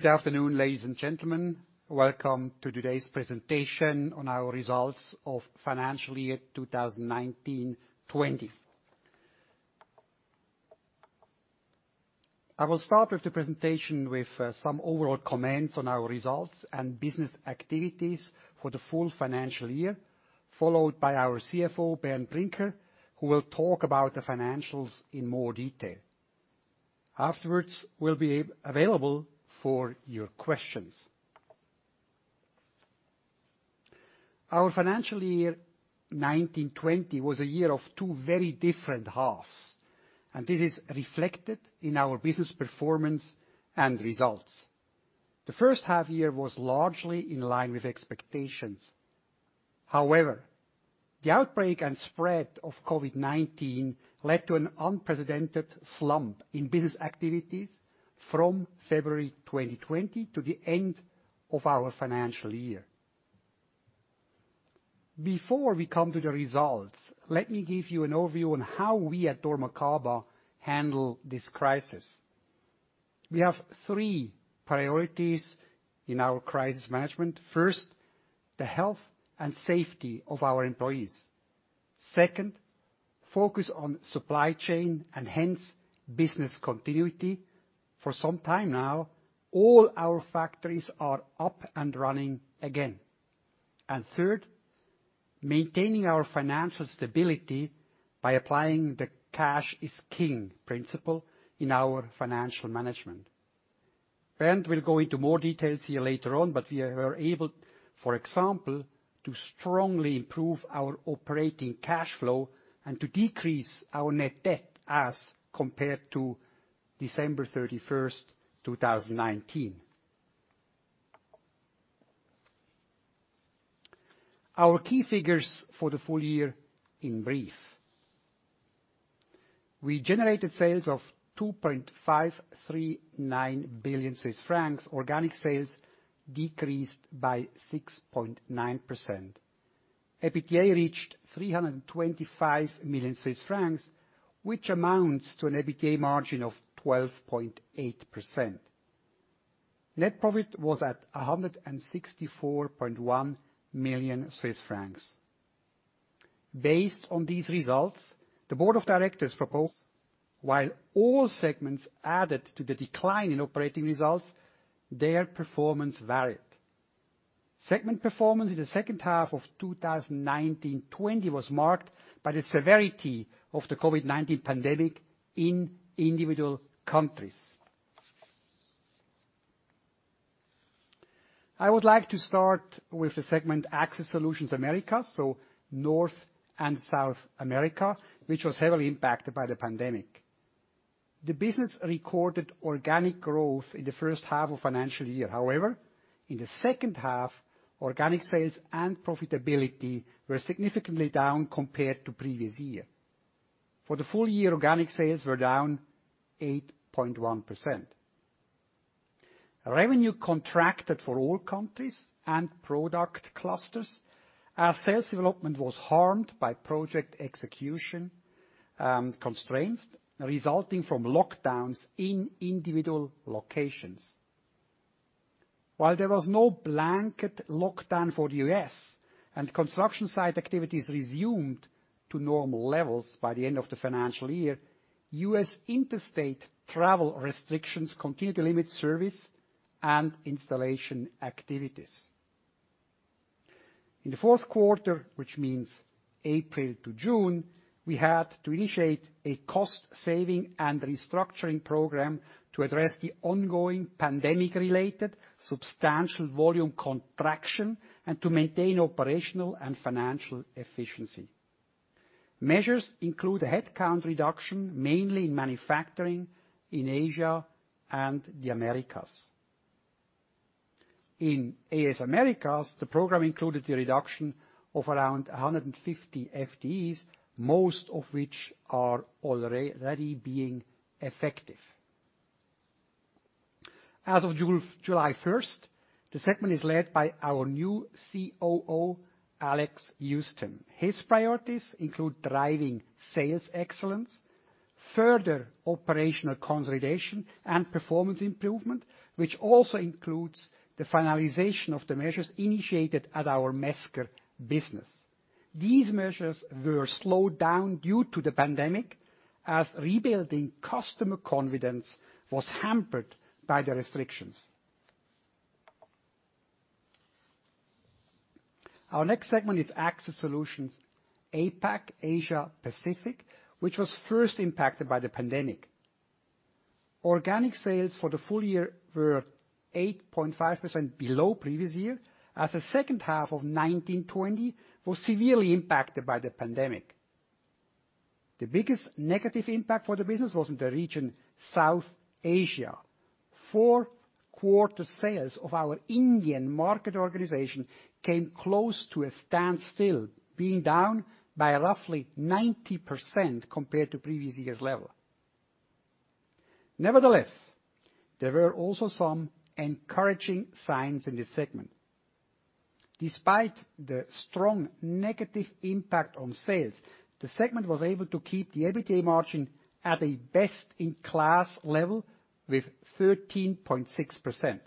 Good afternoon, ladies and gentlemen. Welcome to today's presentation on our Results of Financial Year 2019/20. I will start with the presentation with some overall comments on our results and business activities for the full financial year, followed by our CFO, Bernd Brinker, who will talk about the financials in more detail. Afterwards, we'll be available for your questions. Our financial year 2019/20 was a year of two very different halves. It is reflected in our business performance and results. The first half year was largely in line with expectations. However, the outbreak and spread of COVID-19 led to an unprecedented slump in business activities from February 2020 to the end of our financial year. Before we come to the results, let me give you an overview on how we at dormakaba handle this crisis. We have three priorities in our crisis management. First, the health and safety of our employees. Second, focus on supply chain and hence business continuity. For some time now, all our factories are up and running again. Third, maintaining our financial stability by applying the Cash is King principle in our financial management. Bernd will go into more details here later on, but we were able, for example, to strongly improve our operating cash flow and to decrease our net debt as compared to December 31st, 2019. Our key figures for the full year in brief. We generated sales of 2.539 billion Swiss francs. Organic sales decreased by 6.9%. EBITDA reached 325 million Swiss francs, which amounts to an EBITDA margin of 12.8%. Net profit was at 164.1 million Swiss francs. Based on these results, the Board of Directors proposed. While all segments added to the decline in operating results, their performance varied. Segment performance in the second half of 2019/20 was marked by the severity of the COVID-19 pandemic in individual countries. I would like to start with the segment Access Solutions Americas, so North and South America, which was heavily impacted by the pandemic. The business recorded organic growth in the first half of financial year. However, in the second half, organic sales and profitability were significantly down compared to previous year. For the full year, organic sales were down 8.1%. Revenue contracted for all countries and product clusters. Our sales development was harmed by project execution constraints resulting from lockdowns in individual locations. While there was no blanket lockdown for the U.S., and construction site activities resumed to normal levels by the end of the financial year, U.S. interstate travel restrictions continued to limit service and installation activities. In the fourth quarter, which means April to June, we had to initiate a cost-saving and restructuring program to address the ongoing pandemic-related substantial volume contraction and to maintain operational and financial efficiency. Measures include a headcount reduction, mainly in manufacturing in Asia and the Americas. In AS Americas, the program included the reduction of around 150 FTEs, most of which are already being effective. As of July 1st, the segment is led by our new COO, Alex Housten. His priorities include driving sales excellence, further operational consolidation, and performance improvement, which also includes the finalization of the measures initiated at our Mesker business. These measures were slowed down due to the pandemic as rebuilding customer confidence was hampered by the restrictions. Our next segment is Access Solutions APAC, Asia Pacific, which was first impacted by the pandemic. Organic sales for the full year were 8.5% below previous year, as the second half of 2019/2020 was severely impacted by the pandemic. The biggest negative impact for the business was in the region South Asia. Fourth quarter sales of our Indian market organization came close to a standstill, being down by roughly 90% compared to previous year's level. Nevertheless, there were also some encouraging signs in this segment. Despite the strong negative impact on sales, the segment was able to keep the EBITDA margin at a best-in-class level with 13.6%.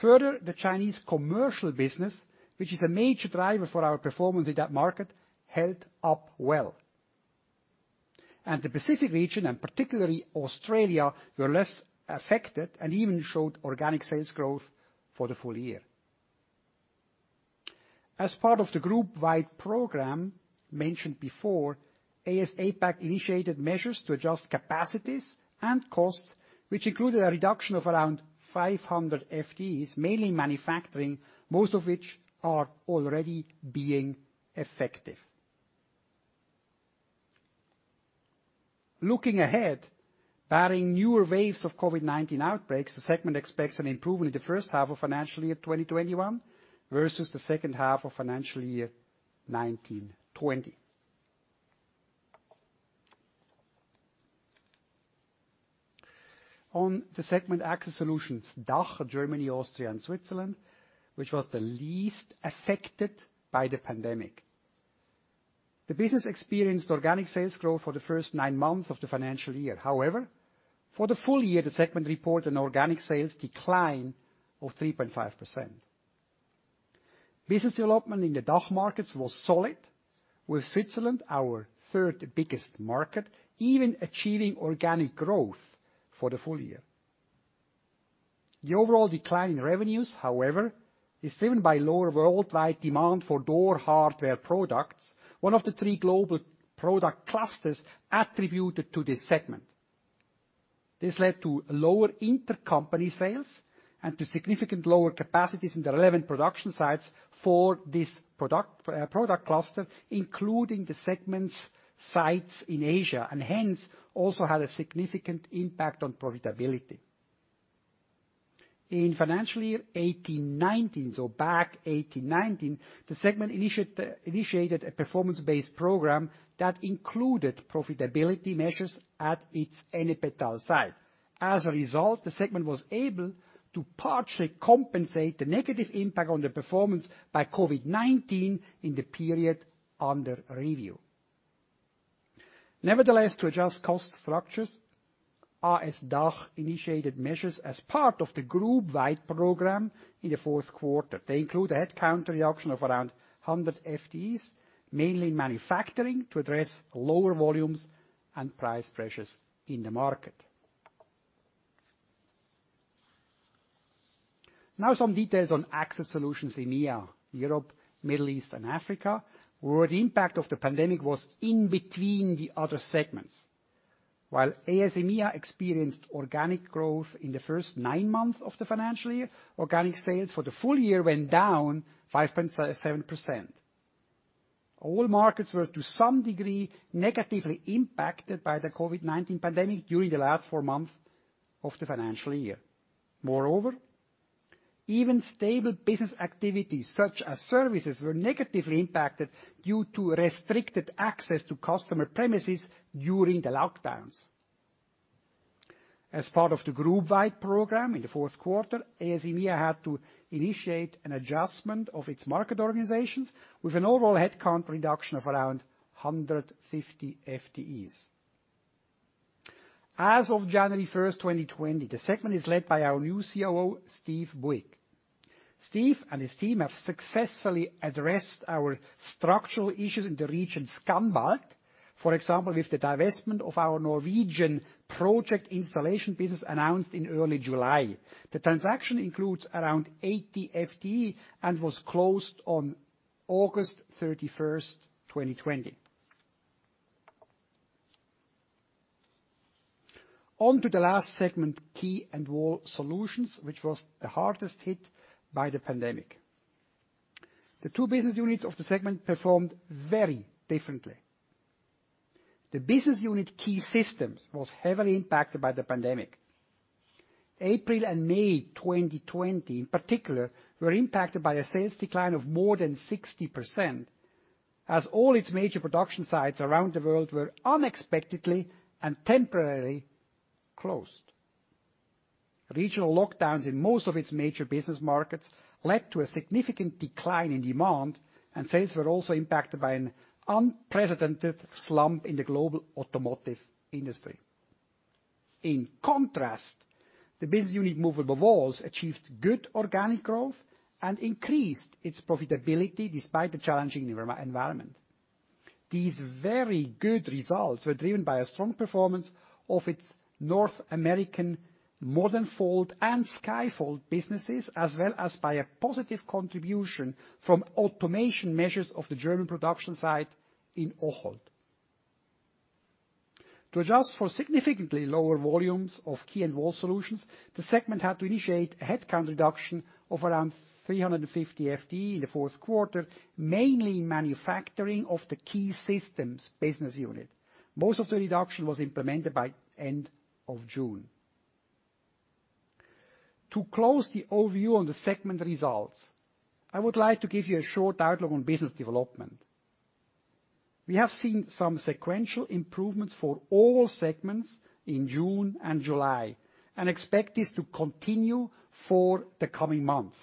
Further, the Chinese commercial business, which is a major driver for our performance in that market, held up well. The Pacific region, and particularly Australia, were less affected and even showed organic sales growth for the full year. As part of the groupwide program mentioned before, AS APAC initiated measures to adjust capacities and costs, which included a reduction of around 500 FTEs, mainly in manufacturing, most of which are already being effective. Looking ahead, barring newer waves of COVID-19 outbreaks, the segment expects an improvement in the first half of financial year 2021 versus the second half of financial year 2019, 2020. On to segment Access Solutions DACH, Germany, Austria, and Switzerland, which was the least affected by the pandemic. The business experienced organic sales growth for the first nine months of the financial year. However, for the full year, the segment reported an organic sales decline of 3.5%. Business development in the DACH markets was solid, with Switzerland, our third-biggest market, even achieving organic growth for the full year. The overall decline in revenues, however, is driven by lower worldwide demand for door hardware products, one of the three global product clusters attributed to this segment. This led to lower intercompany sales and to significant lower capacities in the 11 production sites for this product cluster, including the segment's sites in Asia, and hence, also had a significant impact on profitability. In financial year 2018, 2019, so back 2018, 2019, the segment initiated a performance-based program that included profitability measures at its Ennepetal site. As a result, the segment was able to partially compensate the negative impact on the performance by COVID-19 in the period under review. Nevertheless, to adjust cost structures, AS DACH initiated measures as part of the groupwide program in the fourth quarter. They include a headcount reduction of around 100 FTEs, mainly in manufacturing, to address lower volumes and price pressures in the market. Some details on Access Solutions EMEA, Europe, Middle East, and Africa, where the impact of the pandemic was in between the other segments. While AS EMEA experienced organic growth in the first nine months of the financial year, organic sales for the full year went down 5.7%. All markets were, to some degree, negatively impacted by the COVID-19 pandemic during the last four months of the financial year. Moreover, even stable business activities such as services were negatively impacted due to restricted access to customer premises during the lockdowns. As part of the groupwide program in the fourth quarter, AS EMEA had to initiate an adjustment of its market organizations with an overall headcount reduction of around 150 FTEs. As of January 1st, 2020, the segment is led by our new COO, Steve Bewick. Steve and his team have successfully addressed our structural issues in the region ScanBalt, for example, with the divestment of our Norwegian project installation business announced in early July. The transaction includes around 80 FTE and was closed on August 31st, 2020. On to the last segment, Key & Wall Solutions, which was the hardest hit by the pandemic. The two business units of the segment performed very differently. The business unit Key Systems was heavily impacted by the pandemic. April and May 2020, in particular, were impacted by a sales decline of more than 60%, as all its major production sites around the world were unexpectedly and temporarily closed. Regional lockdowns in most of its major business markets led to a significant decline in demand, and sales were also impacted by an unprecedented slump in the global automotive industry. In contrast, the business unit Movable Walls achieved good organic growth and increased its profitability despite the challenging environment. These very good results were driven by a strong performance of its North American Modernfold and Skyfold businesses, as well as by a positive contribution from automation measures of the German production site in Ocholt. To adjust for significantly lower volumes of Key & Wall Solutions, the segment had to initiate a headcount reduction of around 350 FTE in the fourth quarter, mainly in manufacturing of the Key Systems business unit. Most of the reduction was implemented by end of June. To close the overview on the segment results, I would like to give you a short outlook on business development. We have seen some sequential improvements for all segments in June and July, and expect this to continue for the coming month.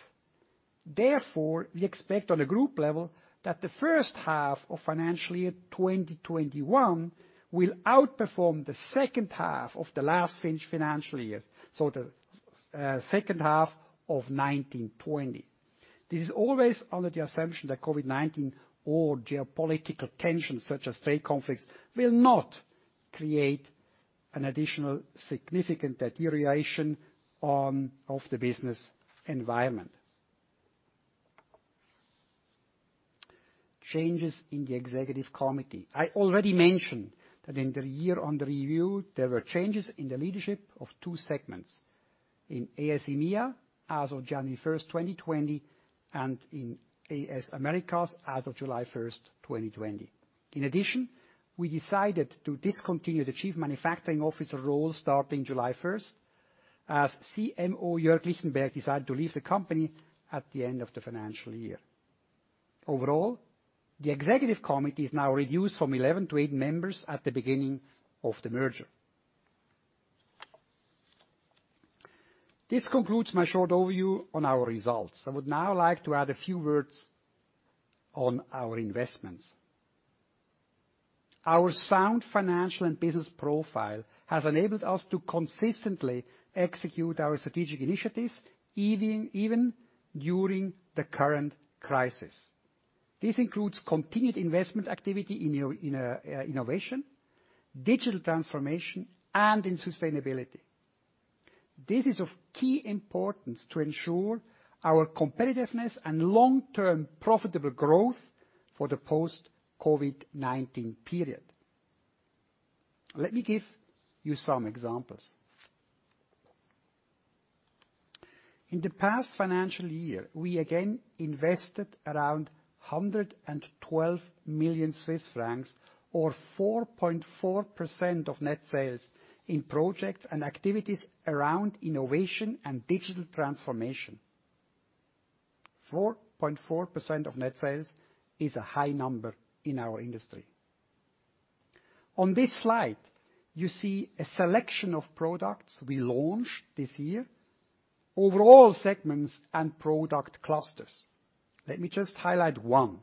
We expect on a group level that the first half of financial year 2021 will outperform the second half of the last finished financial year, so the second half of 2020. This is always under the assumption that COVID-19 or geopolitical tensions such as trade conflicts will not create an additional significant deterioration of the business environment. Changes in the executive committee. I already mentioned that in the year under review, there were changes in the leadership of two segments. In AS EMEA as of January 1st, 2020, and in AS Americas as of July 1st, 2020. We decided to discontinue the Chief Manufacturing Officer role starting July 1st as CMO Jörg Lichtenberg decided to leave the company at the end of the financial year. The executive committee is now reduced from 11 to eight members at the beginning of the merger. This concludes my short overview on our results. I would now like to add a few words on our investments. Our sound financial and business profile has enabled us to consistently execute our strategic initiatives, even during the current crisis. This includes continued investment activity in innovation, digital transformation, and in sustainability. This is of key importance to ensure our competitiveness and long-term profitable growth for the post-COVID-19 period. Let me give you some examples. In the past financial year, we again invested around 112 million Swiss francs, or 4.4% of net sales, in projects and activities around innovation and digital transformation. 4.4% of net sales is a high number in our industry. On this slide, you see a selection of products we launched this year, overall segments and product clusters. Let me just highlight one.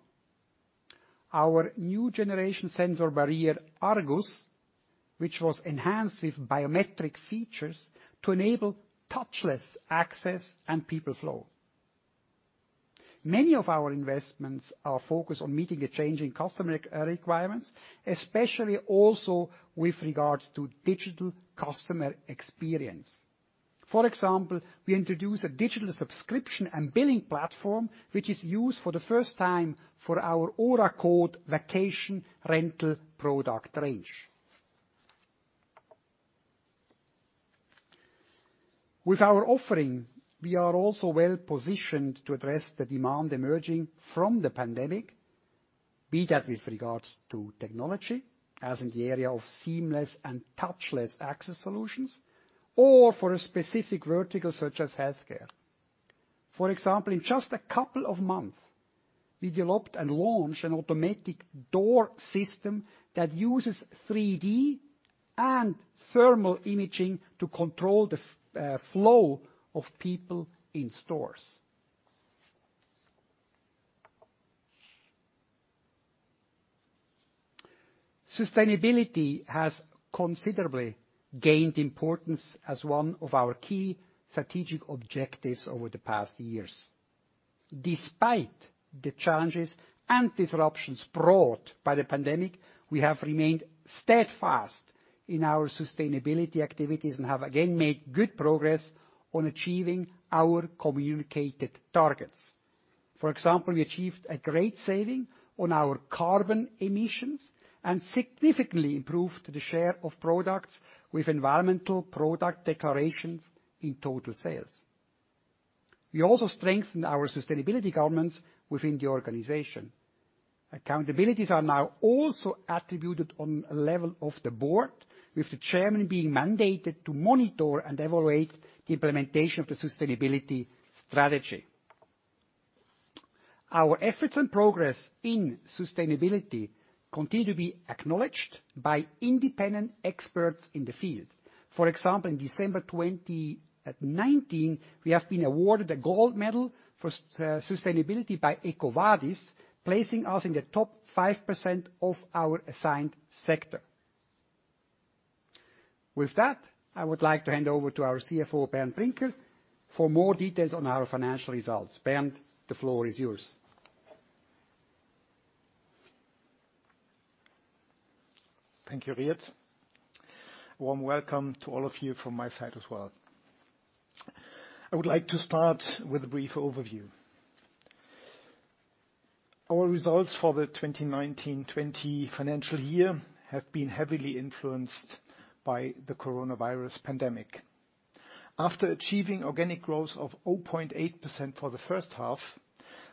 Our new generation sensor barrier, Argus, which was enhanced with biometric features to enable touchless access and people flow. Many of our investments are focused on meeting the changing customer requirements, especially also with regards to digital customer experience. For example, we introduced a digital subscription and billing platform, which is used for the first time for our Oracode vacation rental product range. With our offering, we are also well-positioned to address the demand emerging from the pandemic, be that with regards to technology, as in the area of seamless and touchless access solutions, or for a specific vertical such as healthcare. For example, in just a couple of months, we developed and launched an automatic door system that uses 3D and thermal imaging to control the flow of people in stores. Sustainability has considerably gained importance as one of our key strategic objectives over the past years. Despite the challenges and disruptions brought by the pandemic, we have remained steadfast in our sustainability activities and have again made good progress on achieving our communicated targets. For example, we achieved a great saving on our carbon emissions and significantly improved the share of products with environmental product declarations in total sales. We also strengthened our sustainability governance within the organization. Accountabilities are now also attributed on a level of the Board, with the chairman being mandated to monitor and evaluate the implementation of the sustainability strategy. Our efforts and progress in sustainability continue to be acknowledged by independent experts in the field. For example, in December 2019, we have been awarded a gold medal for sustainability by EcoVadis, placing us in the top 5% of our assigned sector. With that, I would like to hand over to our CFO, Bernd Brinker, for more details on our financial results. Bernd, the floor is yours. Thank you, Riet. Warm welcome to all of you from my side as well. I would like to start with a brief overview. Our results for the 2019-20 financial year have been heavily influenced by the coronavirus pandemic. After achieving organic growth of 0.8% for the first half,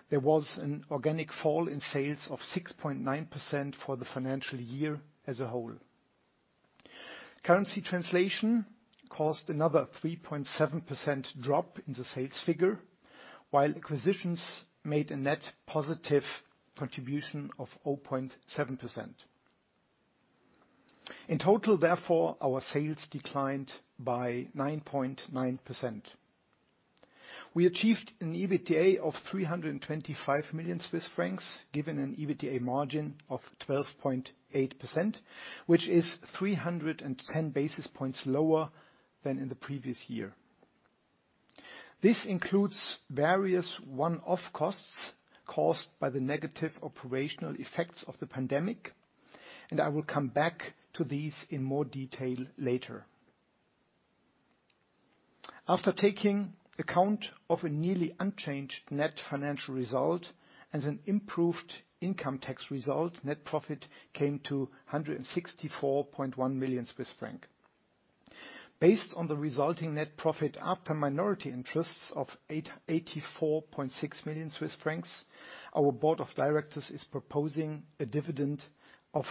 there was an organic fall in sales of 6.9% for the financial year as a whole. Currency translation caused another 3.7% drop in the sales figure, while acquisitions made a net positive contribution of 0.7%. In total, therefore, our sales declined by 9.9%. We achieved an EBITDA of 325 million Swiss francs, giving an EBITDA margin of 12.8%, which is 310 basis points lower than in the previous year. This includes various one-off costs caused by the negative operational effects of the pandemic. I will come back to these in more detail later. After taking account of a nearly unchanged net financial result and an improved income tax result, net profit came to 164.1 million Swiss franc. Based on the resulting net profit after minority interests of 84.6 million Swiss francs, our Board of Directors is proposing a dividend of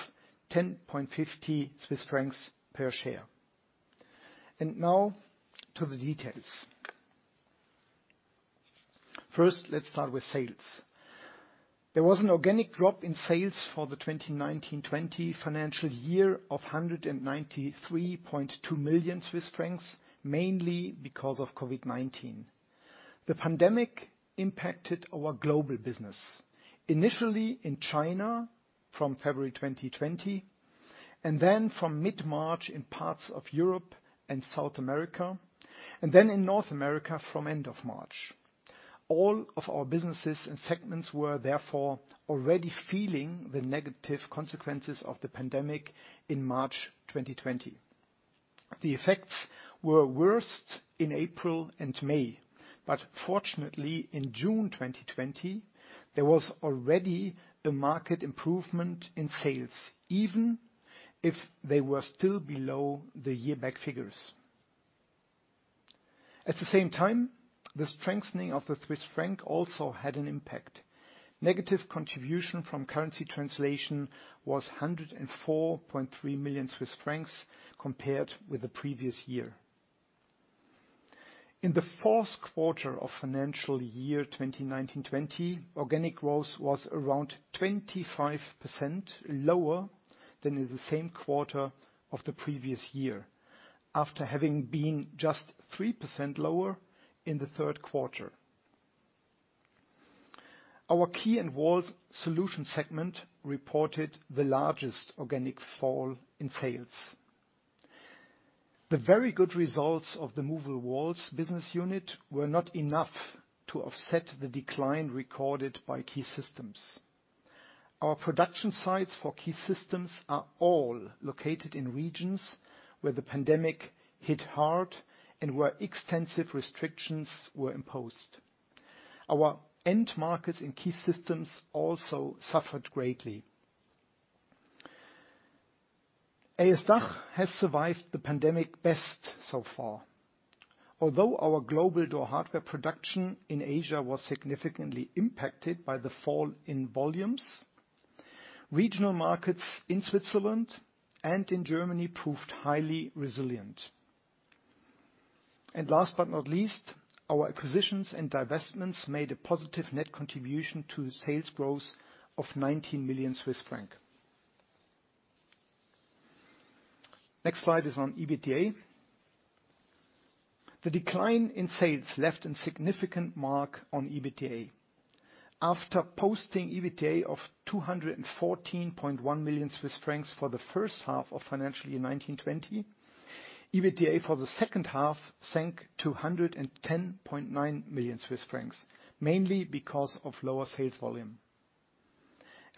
10.50 Swiss francs per share. Now to the details. First, let's start with sales. There was an organic drop in sales for the 2019/20 financial year of 193.2 million Swiss francs, mainly because of COVID-19. The pandemic impacted our global business, initially in China from February 2020, then from mid-March in parts of Europe and South America, then in North America from end of March. All of our businesses and segments were therefore already feeling the negative consequences of the pandemic in March 2020. The effects were worst in April and May, fortunately in June 2020, there was already a market improvement in sales, even if they were still below the year-back figures. At the same time, the strengthening of the Swiss franc also had an impact. Negative contribution from currency translation was 104.3 million Swiss francs compared with the previous year. In the fourth quarter of financial year 2019/20, organic growth was around 25% lower than in the same quarter of the previous year, after having been just 3% lower in the third quarter. Our Key & Wall Solutions segment reported the largest organic fall in sales. The very good results of the Movable Walls business unit were not enough to offset the decline recorded by Key Systems. Our production sites for Key Systems are all located in regions where the pandemic hit hard and where extensive restrictions were imposed. Our end markets in Key Systems also suffered greatly. AS DACH has survived the pandemic best so far. Although our global door hardware production in Asia was significantly impacted by the fall in volumes, regional markets in Switzerland and in Germany proved highly resilient. Last but not least, our acquisitions and divestments made a positive net contribution to sales growth of 19 million Swiss francs. Next slide is on EBITDA. The decline in sales left a significant mark on EBITDA. After posting EBITDA of 214.1 million Swiss francs for the first half of financial year 2019/2020, EBITDA for the second half sank to 110.9 million Swiss francs, mainly because of lower sales volume.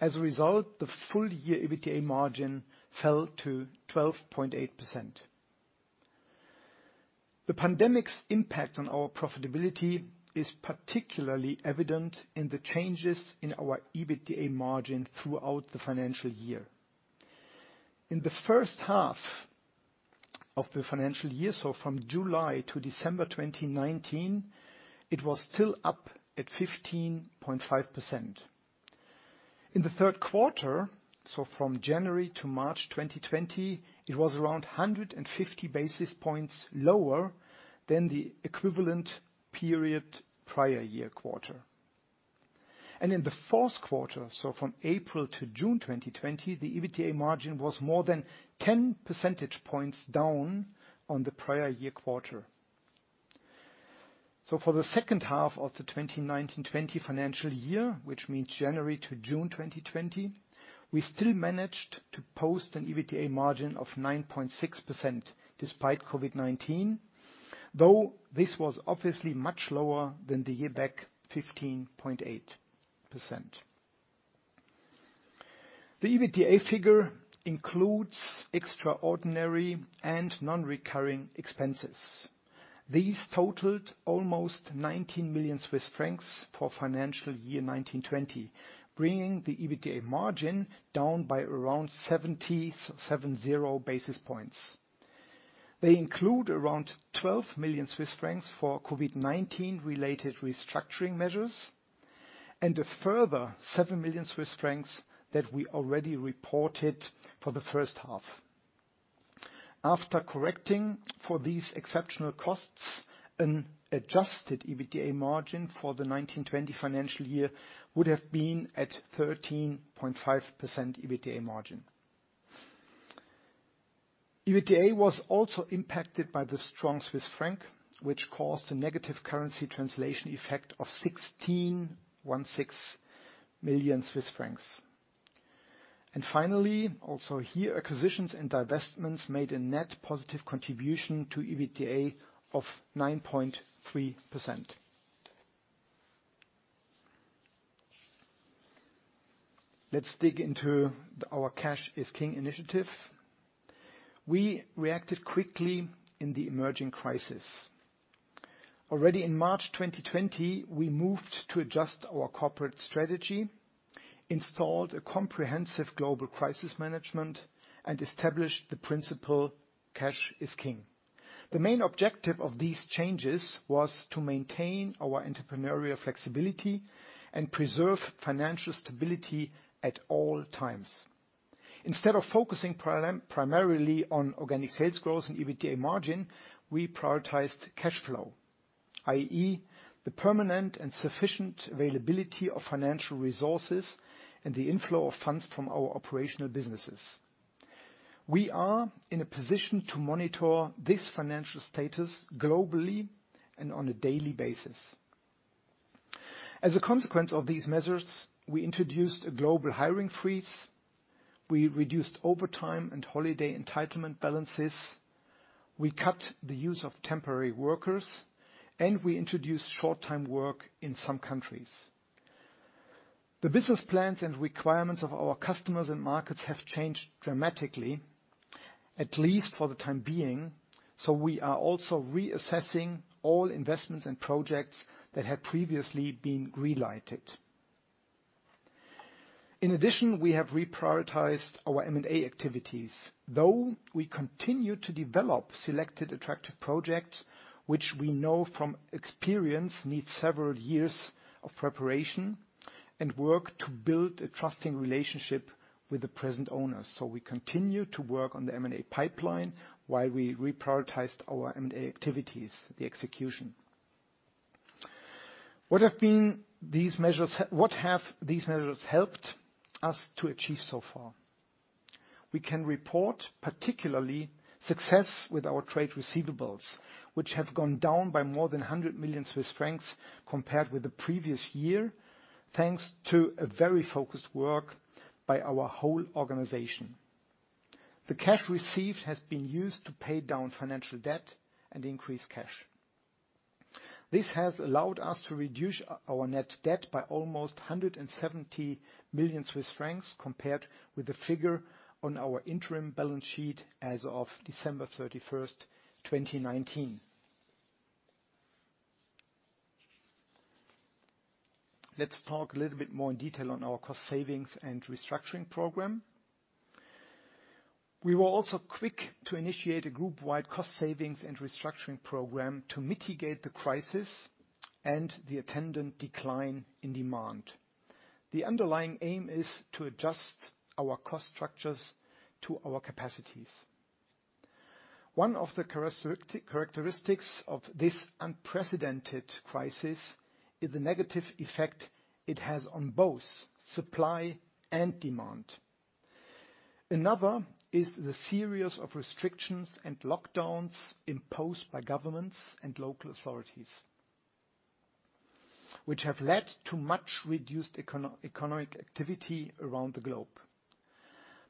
As a result, the full-year EBITDA margin fell to 12.8%. The pandemic's impact on our profitability is particularly evident in the changes in our EBITDA margin throughout the financial year. In the first half of the financial year, so from July to December 2019, it was still up at 15.5%. In the third quarter, so from January to March 2020, it was around 150 basis points lower than the equivalent period prior year quarter. In the fourth quarter, so from April to June 2020, the EBITDA margin was more than 10 percentage points down on the prior year quarter. For the second half of the 2019/20 financial year, which means January to June 2020, we still managed to post an EBITDA margin of 9.6% despite COVID-19. This was obviously much lower than the year back, 15.8%. The EBITDA figure includes extraordinary and non-recurring expenses. These totaled almost 19 million Swiss francs for financial year 2019/20, bringing the EBITDA margin down by around 70 basis points. They include around 12 million Swiss francs for COVID-19-related restructuring measures. A further 7 million Swiss francs that we already reported for the first half. After correcting for these exceptional costs, an adjusted EBITDA margin for the 19/20 financial year would have been at 13.5% EBITDA margin. EBITDA was also impacted by the strong Swiss franc, which caused a negative currency translation effect of 16.16 million Swiss francs. Finally, also here, acquisitions and divestments made a net positive contribution to EBITDA of 9.3%. Let's dig into our Cash is King initiative. We reacted quickly in the emerging crisis. Already in March 2020, we moved to adjust our corporate strategy, installed a comprehensive global crisis management, and established the principle: Cash is King. The main objective of these changes was to maintain our entrepreneurial flexibility and preserve financial stability at all times. Instead of focusing primarily on organic sales growth and EBITDA margin, we prioritized cash flow, i.e., the permanent and sufficient availability of financial resources and the inflow of funds from our operational businesses. We are in a position to monitor this financial status globally and on a daily basis. As a consequence of these measures, we introduced a global hiring freeze, we reduced overtime and holiday entitlement balances, we cut the use of temporary workers, and we introduced short-time work in some countries. The business plans and requirements of our customers and markets have changed dramatically, at least for the time being, so we are also reassessing all investments and projects that had previously been greenlighted. We have reprioritized our M&A activities, though we continue to develop selected attractive projects, which we know from experience need several years of preparation and work to build a trusting relationship with the present owners. We continue to work on the M&A pipeline while we reprioritized our M&A activities, the execution. What have these measures helped us to achieve so far? We can report particularly success with our trade receivables, which have gone down by more than 100 million Swiss francs compared with the previous year, thanks to a very focused work by our whole organization. The cash received has been used to pay down financial debt and increase cash. This has allowed us to reduce our net debt by almost 170 million Swiss francs compared with the figure on our interim balance sheet as of December 31st, 2019. Let's talk a little bit more in detail on our cost savings and restructuring program. We were also quick to initiate a group-wide cost savings and restructuring program to mitigate the crisis and the attendant decline in demand. The underlying aim is to adjust our cost structures to our capacities. One of the characteristics of this unprecedented crisis is the negative effect it has on both supply and demand. Another is the series of restrictions and lockdowns imposed by governments and local authorities, which have led to much reduced economic activity around the globe.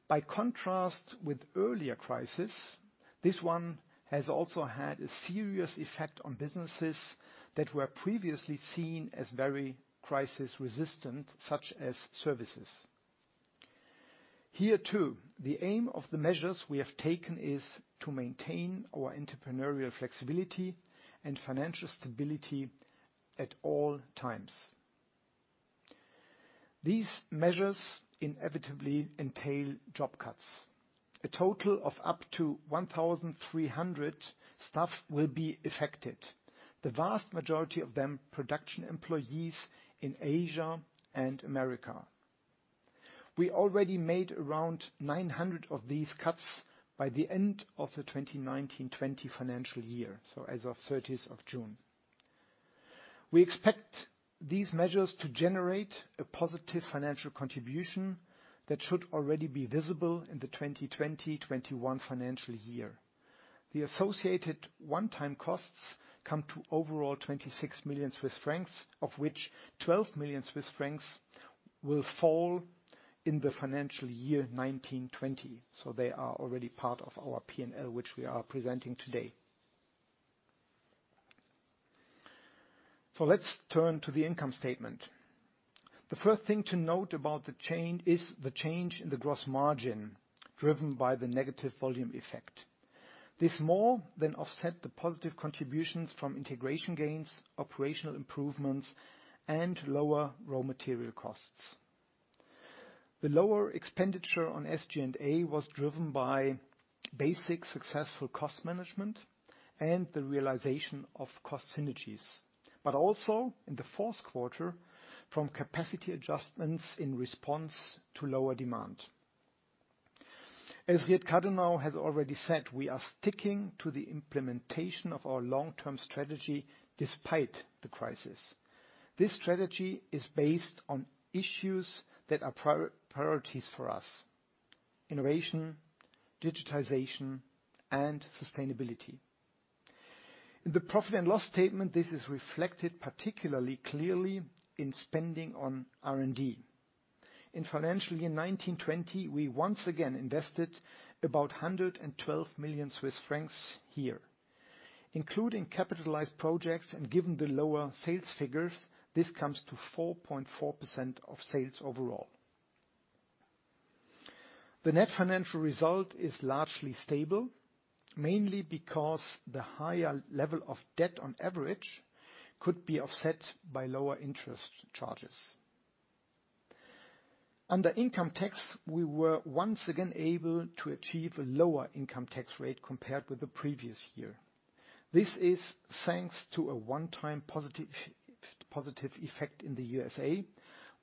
By contrast with earlier crises, this one has also had a serious effect on businesses that were previously seen as very crisis-resistant, such as services. Here, too, the aim of the measures we have taken is to maintain our entrepreneurial flexibility and financial stability at all times. These measures inevitably entail job cuts. A total of up to 1,300 staff will be affected, the vast majority of them production employees in Asia and America. We already made around 900 of these cuts by the end of the 2019/20 financial year. As of 30th of June. We expect these measures to generate a positive financial contribution that should already be visible in the 2020/21 financial year. The associated one-time costs come to overall 26 million Swiss francs, of which 12 million Swiss francs will fall in the financial year 2019/20. They are already part of our P&L, which we are presenting today. Let's turn to the income statement. The first thing to note about the chain is the change in the gross margin driven by the negative volume effect. This more than offset the positive contributions from integration gains, operational improvements, and lower raw material costs. The lower expenditure on SG&A was driven by basic successful cost management and the realization of cost synergies, but also in the fourth quarter from capacity adjustments in response to lower demand. As Riet Cadonau has already said, we are sticking to the implementation of our long-term strategy despite the crisis. This strategy is based on issues that are priorities for us, innovation, digitization, and sustainability. In the profit and loss statement, this is reflected particularly clearly in spending on R&D. In financial year 2019/2020, we once again invested about 112 million Swiss francs here. Including capitalized projects and given the lower sales figures, this comes to 4.4% of sales overall. The net financial result is largely stable, mainly because the higher level of debt on average could be offset by lower interest charges. Under income tax, we were once again able to achieve a lower income tax rate compared with the previous year. This is thanks to a one-time positive effect in the U.S.,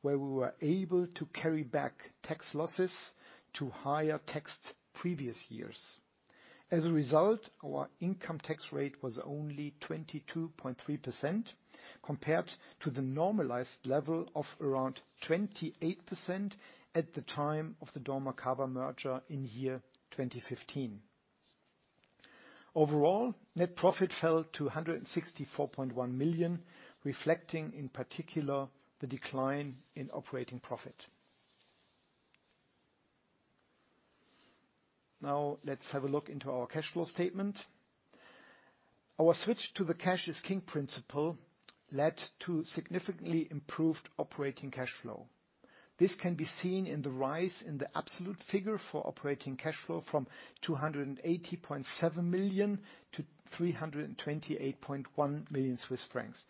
where we were able to carry back tax losses to higher taxed previous years. As a result, our income tax rate was only 22.3% compared to the normalized level of around 28% at the time of the dormakaba merger in year 2015. Overall, net profit fell to 164.1 million, reflecting in particular the decline in operating profit. Let's have a look into our cash flow statement. Our switch to the Cash is King principle led to significantly improved operating cash flow. This can be seen in the rise in the absolute figure for operating cash flow from 280.7 million-328.1 million Swiss francs,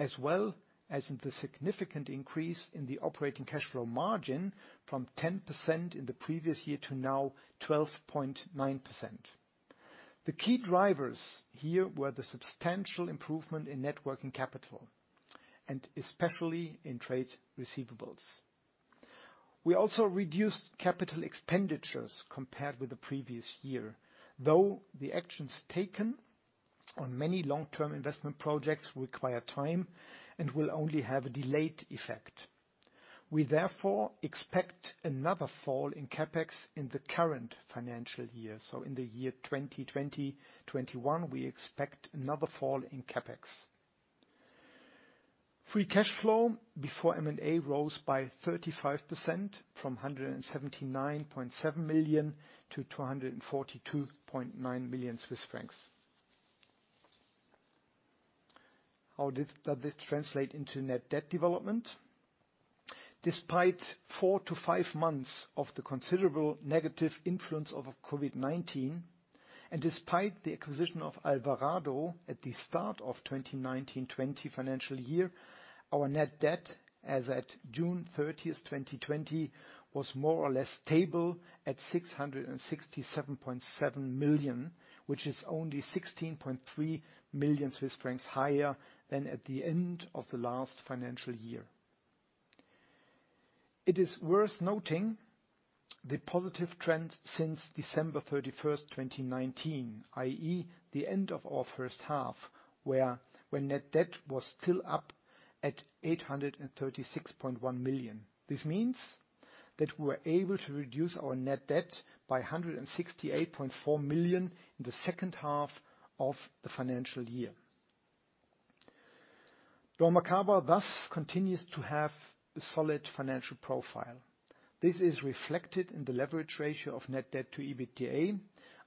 as well as in the significant increase in the operating cash flow margin from 10% in the previous year to now 12.9%. The key drivers here were the substantial improvement in net working capital, and especially in trade receivables. We also reduced capital expenditures compared with the previous year. Though the actions taken on many long-term investment projects require time and will only have a delayed effect. We therefore expect another fall in CapEx in the current financial year. In the year 2020/2021, we expect another fall in CapEx. Free cash flow before M&A rose by 35% from CHF 179.7 million-CHF 242.9 million. How does this translate into net debt development? Despite four to five months of the considerable negative influence of COVID-19, despite the acquisition of Alvarado at the start of 2019/20 financial year, our net debt as at June 30, 2020, was more or less stable at 667.7 million, which is only 16.3 million Swiss francs higher than at the end of the last financial year. It is worth noting the positive trend since December 31, 2019, i.e., the end of our first half, where net debt was still up at 836.1 million. This means that we were able to reduce our net debt by 168.4 million in the second half of the financial year. dormakaba thus continues to have a solid financial profile. This is reflected in the leverage ratio of net debt to EBITDA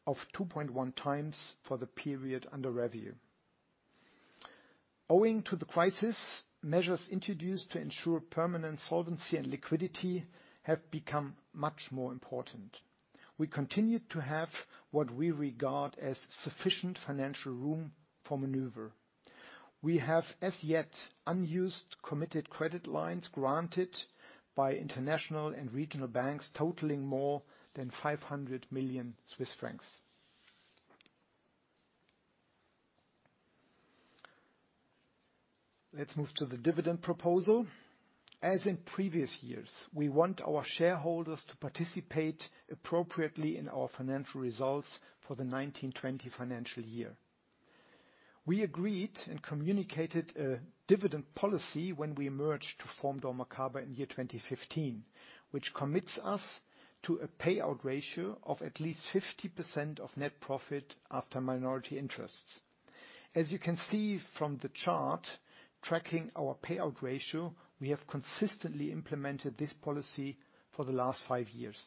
of 2.1x for the period under review. Owing to the crisis, measures introduced to ensure permanent solvency and liquidity have become much more important. We continue to have what we regard as sufficient financial room for maneuver. We have as yet unused committed credit lines granted by international and regional banks totaling more than 500 million Swiss francs. Let's move to the dividend proposal. As in previous years, we want our shareholders to participate appropriately in our financial results for the 2019/2020 financial year. We agreed and communicated a dividend policy when we merged to form dormakaba in 2015, which commits us to a payout ratio of at least 50% of net profit after minority interests. As you can see from the chart tracking our payout ratio, we have consistently implemented this policy for the last five years.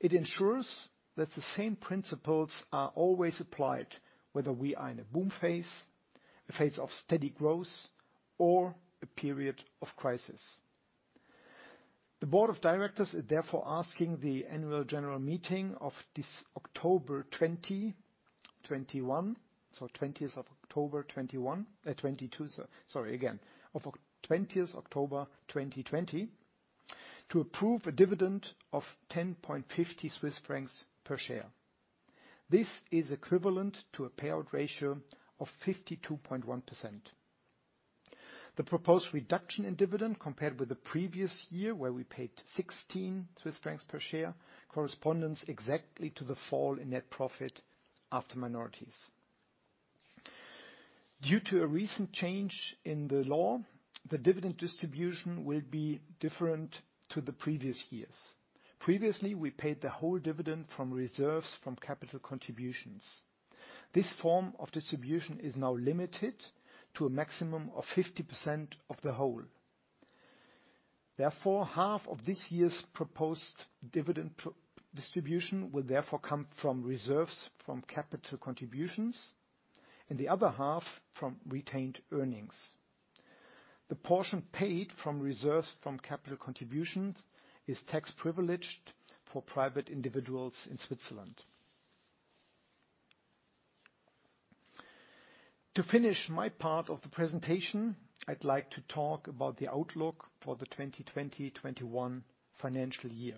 It ensures that the same principles are always applied, whether we are in a boom phase, a phase of steady growth, or a period of crisis. The Board of Directors is therefore asking the annual general meeting of this October 2021, so 20th of October 2021, 2022. Sorry again. Of October 20, 2020, to approve a dividend of 10.50 Swiss francs per share. This is equivalent to a payout ratio of 52.1%. The proposed reduction in dividend compared with the previous year, where we paid 16 Swiss francs per share, corresponds exactly to the fall in net profit after minorities. Due to a recent change in the law, the dividend distribution will be different to the previous years. Previously, we paid the whole dividend from reserves from capital contributions. This form of distribution is now limited to a maximum of 50% of the whole. Half of this year's proposed dividend distribution will therefore come from reserves from capital contributions, and the other half from retained earnings. The portion paid from reserves from capital contributions is tax-privileged for private individuals in Switzerland. To finish my part of the presentation, I'd like to talk about the outlook for the 2020-21 financial year.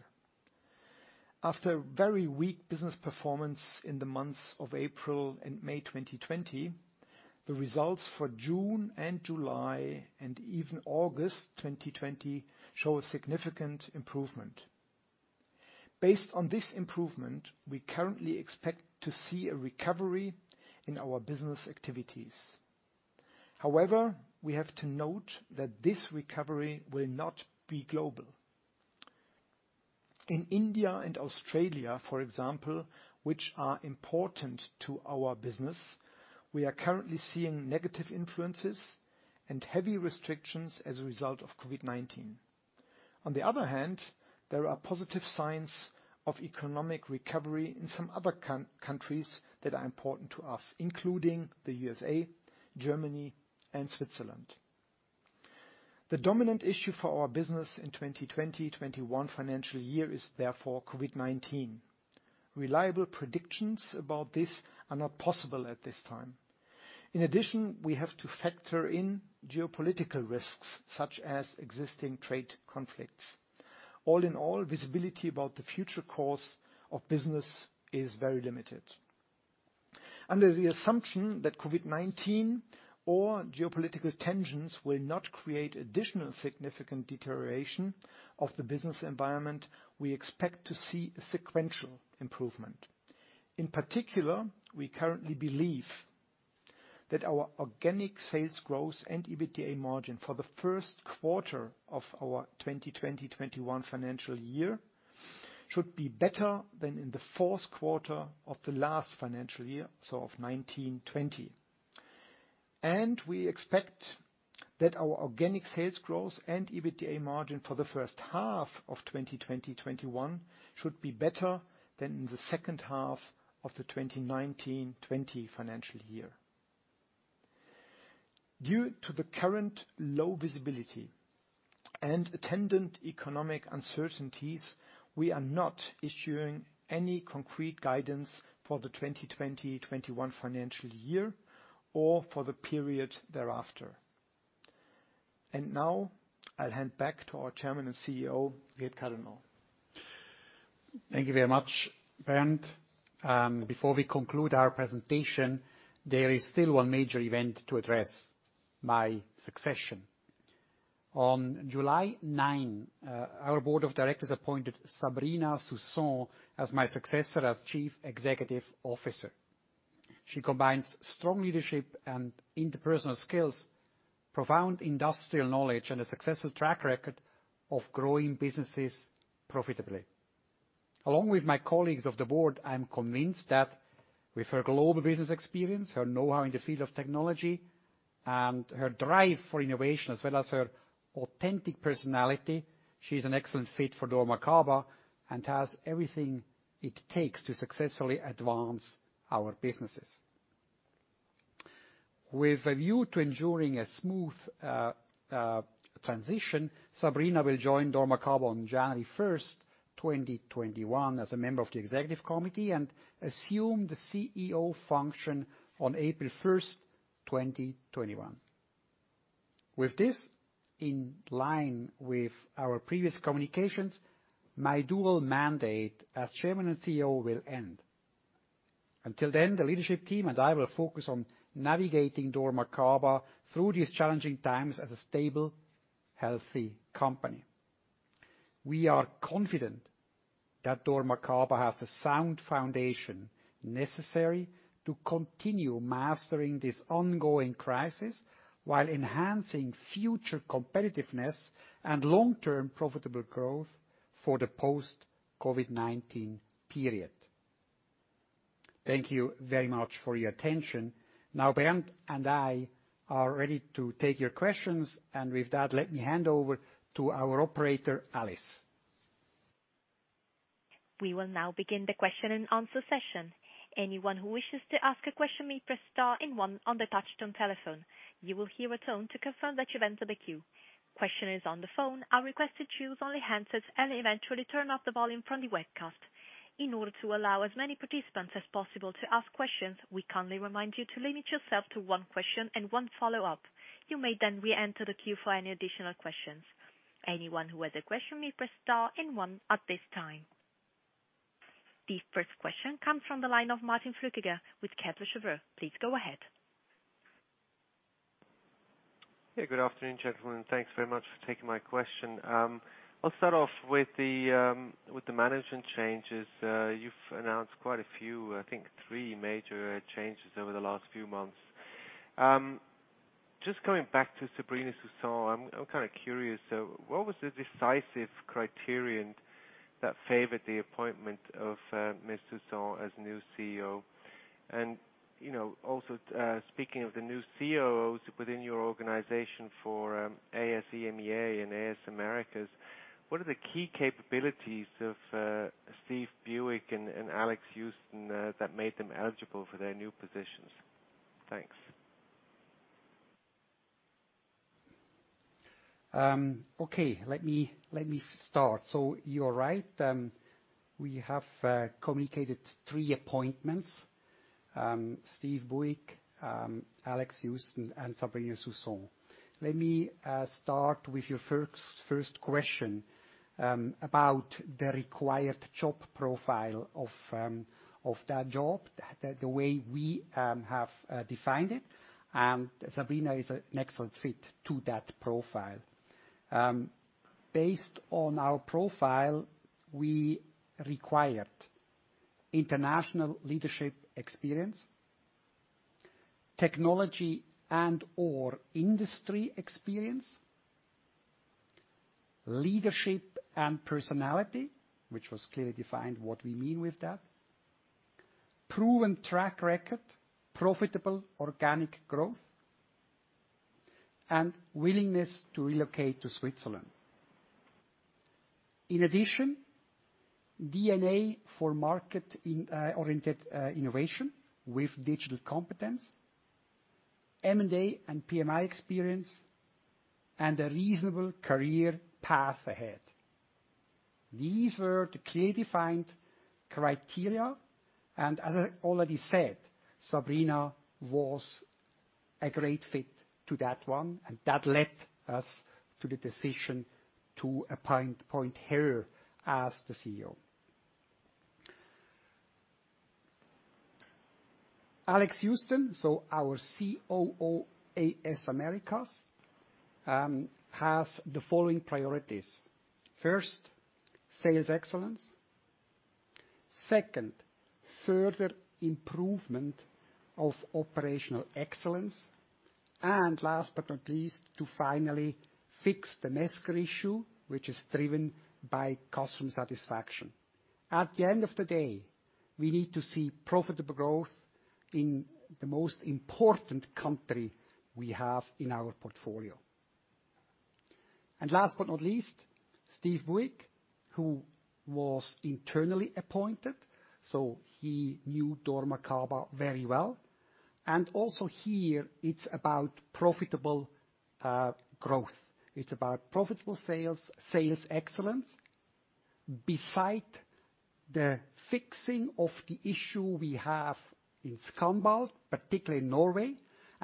After very weak business performance in the months of April and May 2020, the results for June and July, and even August 2020, show a significant improvement. Based on this improvement, we currently expect to see a recovery in our business activities. We have to note that this recovery will not be global. In India and Australia, for example, which are important to our business, we are currently seeing negative influences and heavy restrictions as a result of COVID-19. On the other hand, there are positive signs of economic recovery in some other countries that are important to us, including the U.S.A., Germany, and Switzerland. The dominant issue for our business in 2020-2021 financial year is therefore COVID-19. Reliable predictions about this are not possible at this time. In addition, we have to factor in geopolitical risks such as existing trade conflicts. All in all, visibility about the future course of business is very limited. Under the assumption that COVID-19 or geopolitical tensions will not create additional significant deterioration of the business environment, we expect to see a sequential improvement. In particular, we currently believe that our organic sales growth and EBITDA margin for the first quarter of our 2020-2021 financial year should be better than in the fourth quarter of the last financial year, so of 2019-2020. We expect that our organic sales growth and EBITDA margin for the first half of 2020-21 should be better than the second half of the 2019-20 financial year. Due to the current low visibility and attendant economic uncertainties, we are not issuing any concrete guidance for the 2020-21 financial year or for the period thereafter. Now I'll hand back to our Chairman and CEO, Riet Cadonau. Thank you very much, Bernd. Before we conclude our presentation, there is still one major event to address, my succession. On July 9, our Board of Directors appointed Sabrina Soussan as my successor as Chief Executive Officer. She combines strong leadership and interpersonal skills, profound industrial knowledge, and a successful track record of growing businesses profitably. Along with my colleagues of the Board, I'm convinced that with her global business experience, her know-how in the field of technology, and her drive for innovation, as well as her authentic personality, she's an excellent fit for dormakaba and has everything it takes to successfully advance our businesses. With a view to ensuring a smooth transition, Sabrina will join dormakaba on January 1, 2021, as a member of the Executive Committee and assume the CEO function on April 1, 2021. With this, in line with our previous communications, my dual mandate as Chairman and CEO will end. Until then, the leadership team and I will focus on navigating dormakaba through these challenging times as a stable, healthy company. We are confident that dormakaba has the sound foundation necessary to continue mastering this ongoing crisis while enhancing future competitiveness and long-term profitable growth for the post-COVID-19 period. Thank you very much for your attention. Now Bernd and I are ready to take your questions, and with that, let me hand over to our operator, Alice. We will now begin the question-and-answer session. Anyone who wishes to ask a question may press star and one on the touchtone telephone. You will hear a tone to confirm that you've entered the queue. Questioners on the phone are requested to use only handsets and eventually turn up the volume from the webcast. In order to allow as many participants as possible to ask questions, we kindly remind you to limit yourself to one question and one follow-up. You may then re-enter the queue for any additional questions. Anyone who has a question may press star and one at this time. The first question comes from the line of Martin Flueckiger with Kepler Cheuvreux. Please go ahead. Good afternoon, gentlemen. Thanks very much for taking my question. I'll start off with the management changes. You've announced quite a few, I think three major changes over the last few months. Coming back to Sabrina Soussan, I'm curious. What was the decisive criterion that favored the appointment of Ms. Soussan as new CEO? Also, speaking of the new CEOs within your organization for AS EMEA and AS Americas, what are the key capabilities of Steve Bewick and Alex Housten that made them eligible for their new positions? Thanks. You are right. We have communicated three appointments: Steve Bewick, Alex Housten, and Sabrina Soussan. Let me start with your first question about the required job profile of that job, the way we have defined it, and Sabrina is an excellent fit to that profile. Based on our profile, we required international leadership experience, technology and/or industry experience, leadership and personality, which was clearly defined what we mean with that, proven track record, profitable organic growth, and willingness to relocate to Switzerland. In addition, DNA for market-oriented innovation with digital competence, M&A and PMI experience, and a reasonable career path ahead. These were the clearly defined criteria, and as I already said, Sabrina was a great fit to that one, and that led us to the decision to appoint her as the CEO. Alex Housten, so our COO AS Americas, has the following priorities. First, sales excellence. Second, further improvement of operational excellence. Last but not least, to finally fix the Mesker issue, which is driven by customer satisfaction. At the end of the day, we need to see profitable growth in the most important country we have in our portfolio. Last but not least, Steve Bewick, who was internally appointed, so he knew dormakaba very well. Also here, it's about profitable growth. It's about profitable sales excellence, beside the fixing of the issue we have in ScanBalt, particularly in Norway.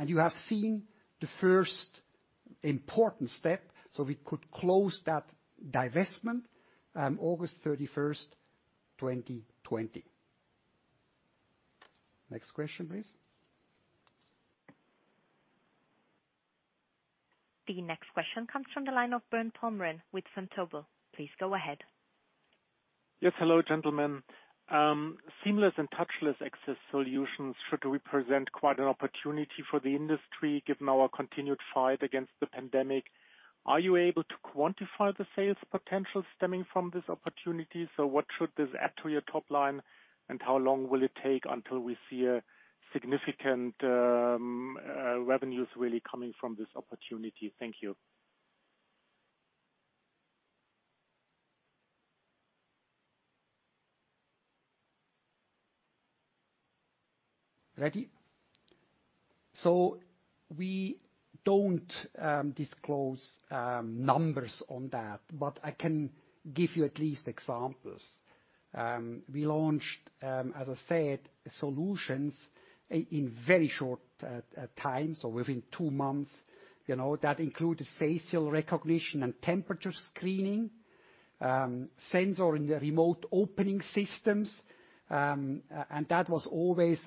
You have seen the first important step, so we could close that divestment August 31st, 2020. Next question, please. The next question comes from the line of Bernd Pommeré with Vontobel. Please go ahead. Yes. Hello, gentlemen. Seamless and touchless access solutions should represent quite an opportunity for the industry, given our continued fight against the pandemic. Are you able to quantify the sales potential stemming from this opportunity? What should this add to your top line, and how long will it take until we see a significant revenues really coming from this opportunity? Thank you. Ready? We don't disclose numbers on that, but I can give you at least examples. We launched, as I said, solutions in very short times or within two months. That included facial recognition and temperature screening, sensor in the remote opening systems, and that was always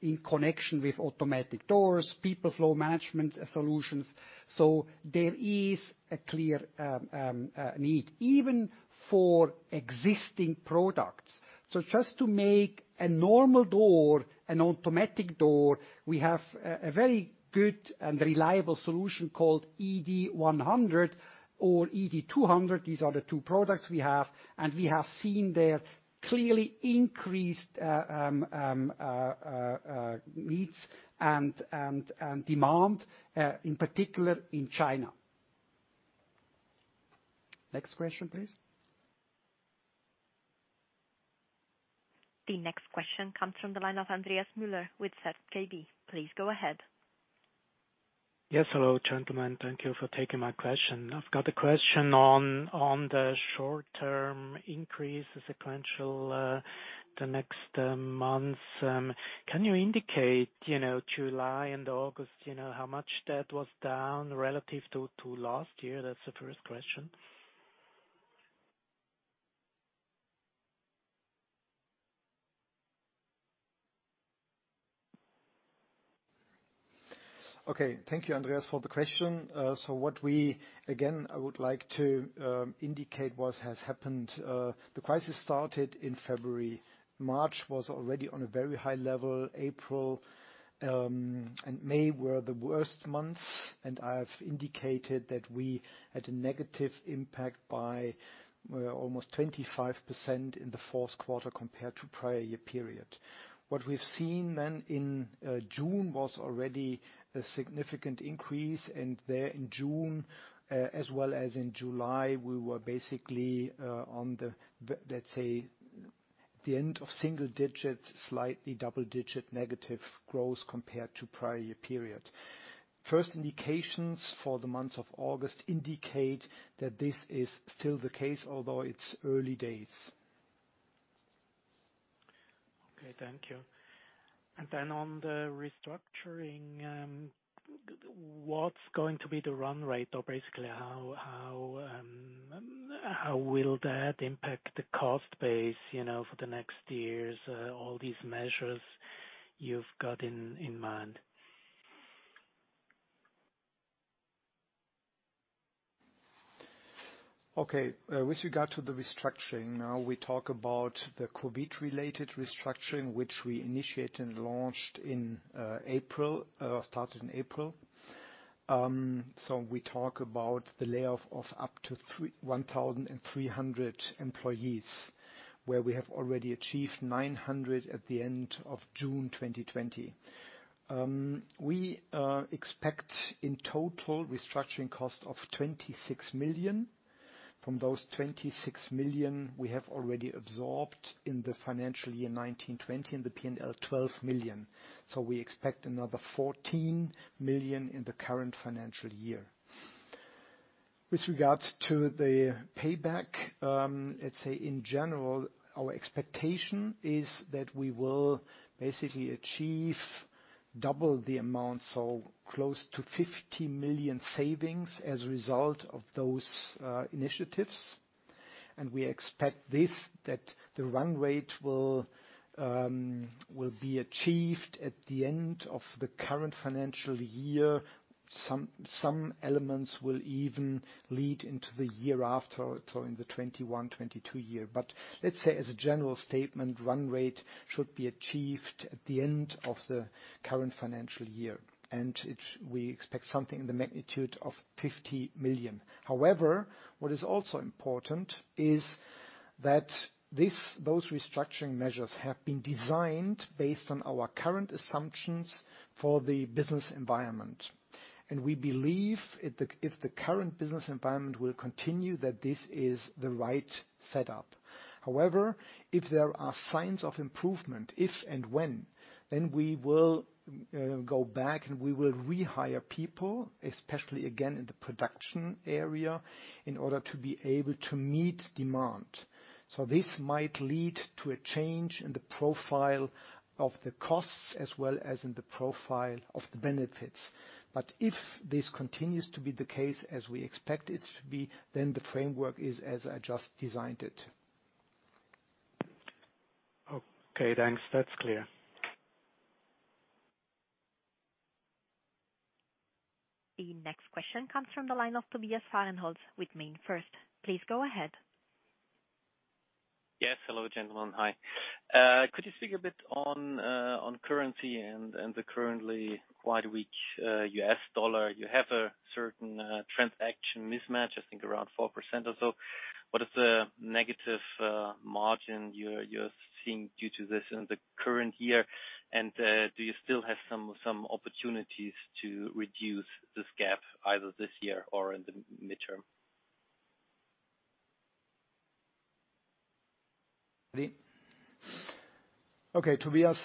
in connection with automatic doors, people flow management solutions. There is a clear need, even for existing products. Just to make a normal door an automatic door, we have a very good and reliable solution called ED 100 or ED 250. These are the two products we have, and we have seen their clearly increased needs and demand, in particular in China. Next question, please. The next question comes from the line of Andreas Müller with ZKB. Please go ahead. Hello, gentlemen. Thank you for taking my question. I've got a question on the short-term increase, the sequential, the next months. Can you indicate July and August, how much that was down relative to last year? That's the first question. Okay. Thank you, Andreas, for the question. What we, again, I would like to indicate what has happened. The crisis started in February. March was already on a very high level. April and May were the worst months, and I've indicated that we had a negative impact by almost 25% in the fourth quarter compared to prior year period. What we've seen then in June was already a significant increase, and there in June, as well as in July, we were basically on the, let's say, the end of single-digit, slightly double-digit negative growth compared to prior year period. First indications for the month of August indicate that this is still the case, although it's early days. Okay, thank you. On the restructuring, what is going to be the run rate or basically how will that impact the cost base for the next years, all these measures you have got in mind? Okay, with regard to the restructuring, now we talk about the COVID-related restructuring, which we initiated and started in April. We talk about the layoff of up to 1,300 employees, where we have already achieved 900 at the end of June 2020. We expect in total restructuring cost of 26 million. From those 26 million, we have already absorbed in the financial year 2019-2020 in the P&L 12 million. We expect another 14 million in the current financial year. With regards to the payback in general, our expectation is that we will basically achieve double the amount, close to 50 million savings as a result of those initiatives. We expect this, that the run rate will be achieved at the end of the current financial year. Some elements will even lead into the year after, so in the 2021-2022 year. Let's say as a general statement, run rate should be achieved at the end of the current financial year. We expect something in the magnitude of 50 million. However, what is also important is that those restructuring measures have been designed based on our current assumptions for the business environment. We believe if the current business environment will continue, that this is the right setup. However, if there are signs of improvement, if and when, then we will go back and we will rehire people, especially again in the production area, in order to be able to meet demand. This might lead to a change in the profile of the costs as well as in the profile of the benefits. If this continues to be the case as we expect it to be, then the framework is as I just designed it. Okay, thanks. That's clear. The next question comes from the line of Tobias Fahrenholz with MainFirst. Please go ahead. Yes. Hello, gentlemen. Hi. Could you speak a bit on currency and the currently quite weak US dollar? You have a certain transaction mismatch, I think around 4% or so. What is the negative margin you're seeing due to this in the current year? Do you still have some opportunities to reduce this gap either this year or in the midterm? Okay, Tobias,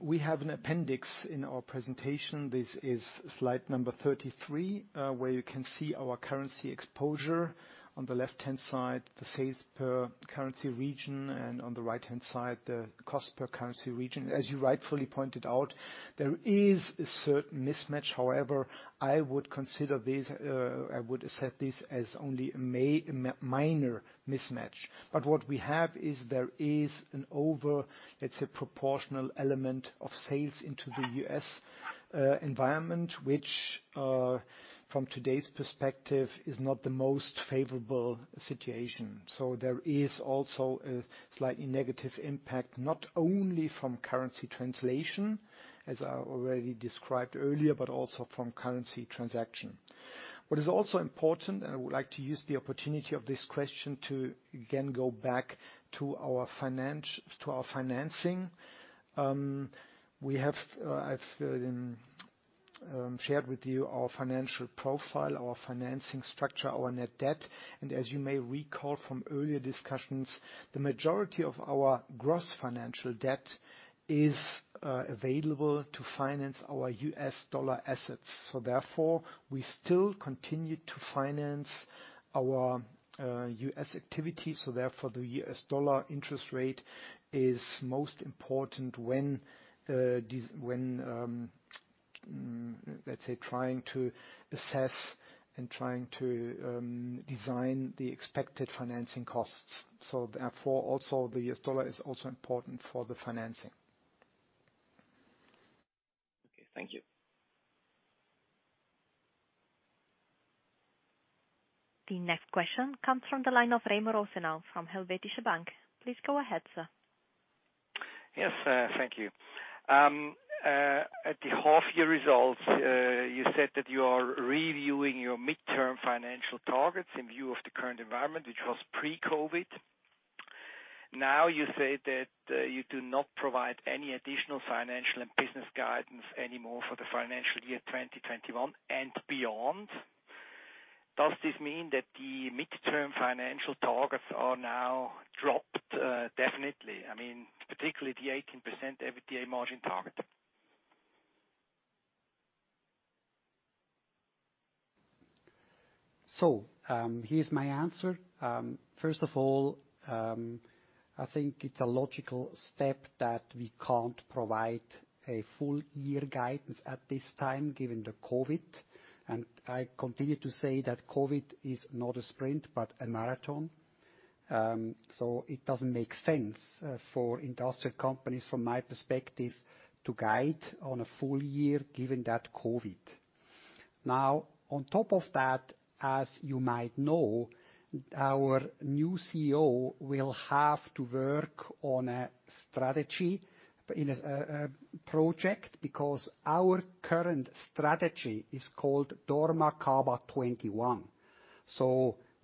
we have an appendix in our presentation. This is slide number 33, where you can see our currency exposure. On the left-hand side, the sales per currency region, and on the right-hand side, the cost per currency region. As you rightfully pointed out, there is a certain mismatch. However, I would set this as only a minor mismatch. What we have is there is an over, let's say, proportional element of sales into the U.S. environment, which from today's perspective is not the most favorable situation. There is also a slightly negative impact, not only from currency translation, as I already described earlier, but also from currency transaction. What is also important, and I would like to use the opportunity of this question to again go back to our financing. We have Shared with you our financial profile, our financing structure, our net debt. As you may recall from earlier discussions, the majority of our gross financial debt is available to finance our U.S. dollar assets. Therefore, we still continue to finance our U.S. activities. Therefore, the U.S. dollar interest rate is most important when, let's say, trying to assess and trying to design the expected financing costs. Therefore, also the U.S. dollar is also important for the financing. Okay, thank you. The next question comes from the line of Remo Rosenau from Helvetische Bank. Please go ahead, sir. Yes, thank you. At the half year results, you said that you are reviewing your midterm financial targets in view of the current environment, which was pre-COVID. Now you say that you do not provide any additional financial and business guidance anymore for the financial year 2021 and beyond. Does this mean that the midterm financial targets are now dropped, definitely? I mean, particularly the 18% EBITDA margin target. Here is my answer. First of all, I think it's a logical step that we can't provide a full year guidance at this time, given the COVID. I continue to say that COVID is not a sprint, but a marathon. It doesn't make sense for industrial companies, from my perspective, to guide on a full year given that COVID. On top of that, as you might know, our new CEO will have to work on a strategy in a project because our current strategy is called dormakaba 21.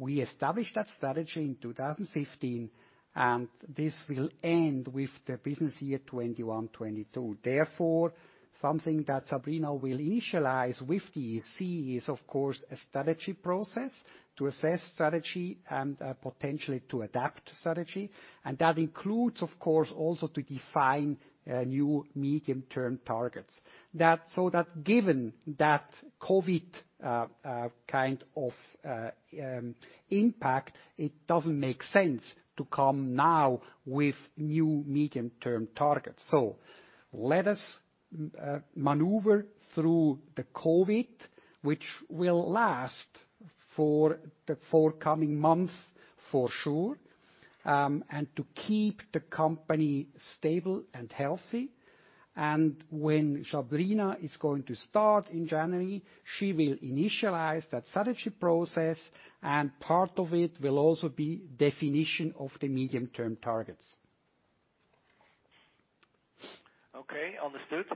We established that strategy in 2015, and this will end with the business year 2021, 2022. Therefore, something that Sabrina will initialize with the EC is, of course, a strategy process to assess strategy and potentially to adapt strategy. That includes, of course, also to define new medium-term targets. Given that COVID kind of impact, it doesn't make sense to come now with new medium-term targets. Let us maneuver through the COVID, which will last for the forthcoming month for sure, and to keep the company stable and healthy. When Sabrina is going to start in January, she will initialize that strategy process, and part of it will also be definition of the medium-term targets. Okay. Understood.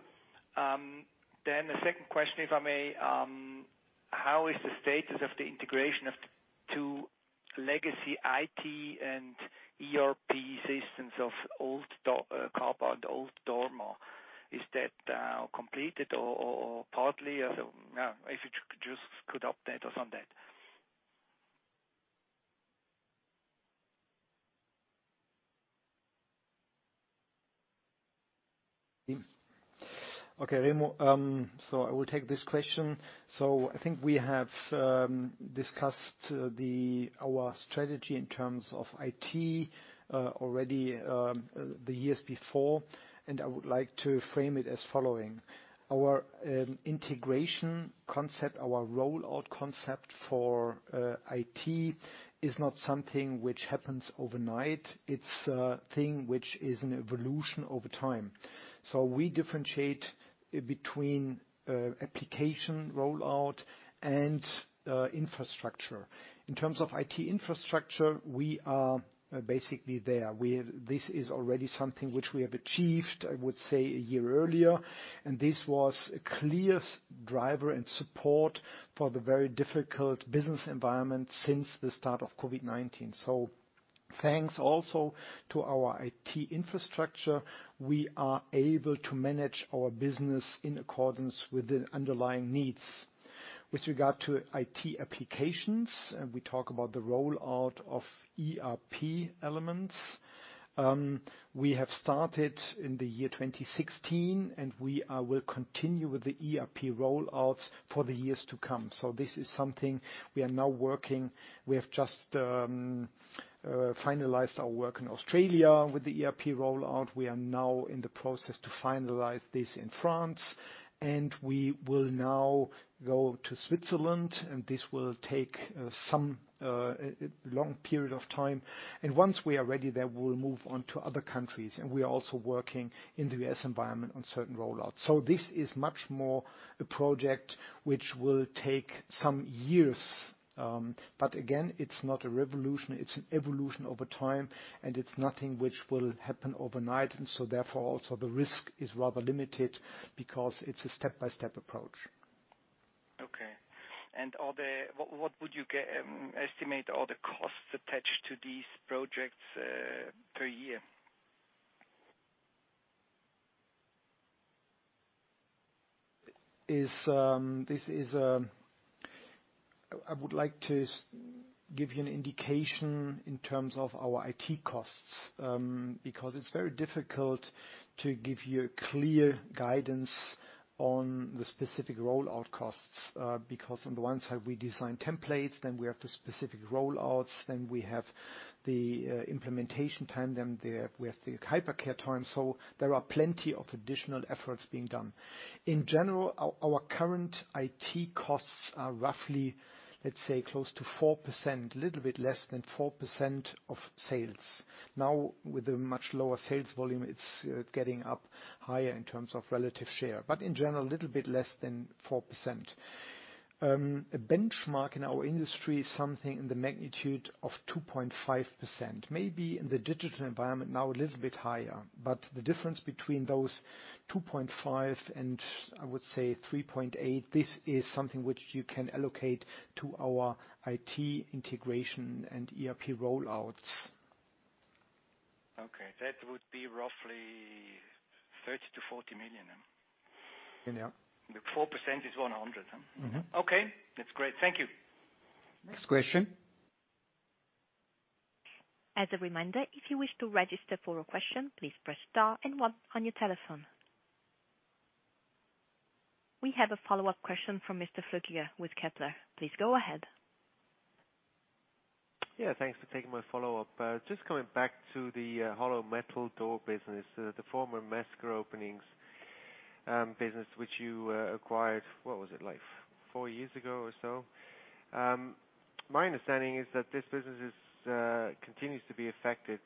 The second question, if I may. How is the status of the integration of two legacy IT and ERP systems of old Kaba and old Dorma? Is that now completed or partly? If you just could update us on that. Okay, Remo. I will take this question. I think we have discussed our strategy in terms of IT already the years before, and I would like to frame it as following. Our integration concept, our rollout concept for IT is not something which happens overnight. It's a thing which is an evolution over time. We differentiate between application rollout and infrastructure. In terms of IT infrastructure, we are basically there. This is already something which we have achieved, I would say, a year earlier, and this was a clear driver and support for the very difficult business environment since the start of COVID-19. Thanks also to our IT infrastructure, we are able to manage our business in accordance with the underlying needs. With regard to IT applications, we talk about the rollout of ERP elements. We have started in the year 2016, and we will continue with the ERP rollouts for the years to come. This is something we are now working. We have just finalized our work in Australia with the ERP rollout. We are now in the process to finalize this in France, and we will now go to Switzerland, and this will take some long period of time. Once we are ready there, we will move on to other countries. We are also working in the U.S. environment on certain rollouts. This is much more a project which will take some years. Again, it's not a revolution. It's an evolution over time, and it's nothing which will happen overnight. Therefore, also the risk is rather limited because it's a step-by-step approach. Okay. What would you estimate are the costs attached to these projects per year? I would like to give you an indication in terms of our IT costs, because it's very difficult to give you clear guidance on the specific rollout costs. On the one side, we design templates, then we have the specific rollouts, then we have the implementation time, then we have the hypercare time. There are plenty of additional efforts being done. In general, our current IT costs are roughly, let's say, close to 4%, little bit less than 4% of sales. Now, with the much lower sales volume, it's getting up higher in terms of relative share. In general, a little bit less than 4%. A benchmark in our industry is something in the magnitude of 2.5%, maybe in the digital environment now a little bit higher. The difference between those 2.5 and I would say 3.8, this is something which you can allocate to our IT integration and ERP rollouts. Okay. That would be roughly 30 million-40 million then? 4% is 100, huh? Okay. That's great. Thank you. Next question. As a reminder, if you wish to register for a question, please press star and one on your telephone. We have a follow-up question from Mr. Flueckiger with Kepler. Please go ahead. Yeah. Thanks for taking my follow-up. Just coming back to the hollow metal door business, the former Mesker openings business, which you acquired, what was it? Four years ago or so. My understanding is that this business continues to be affected,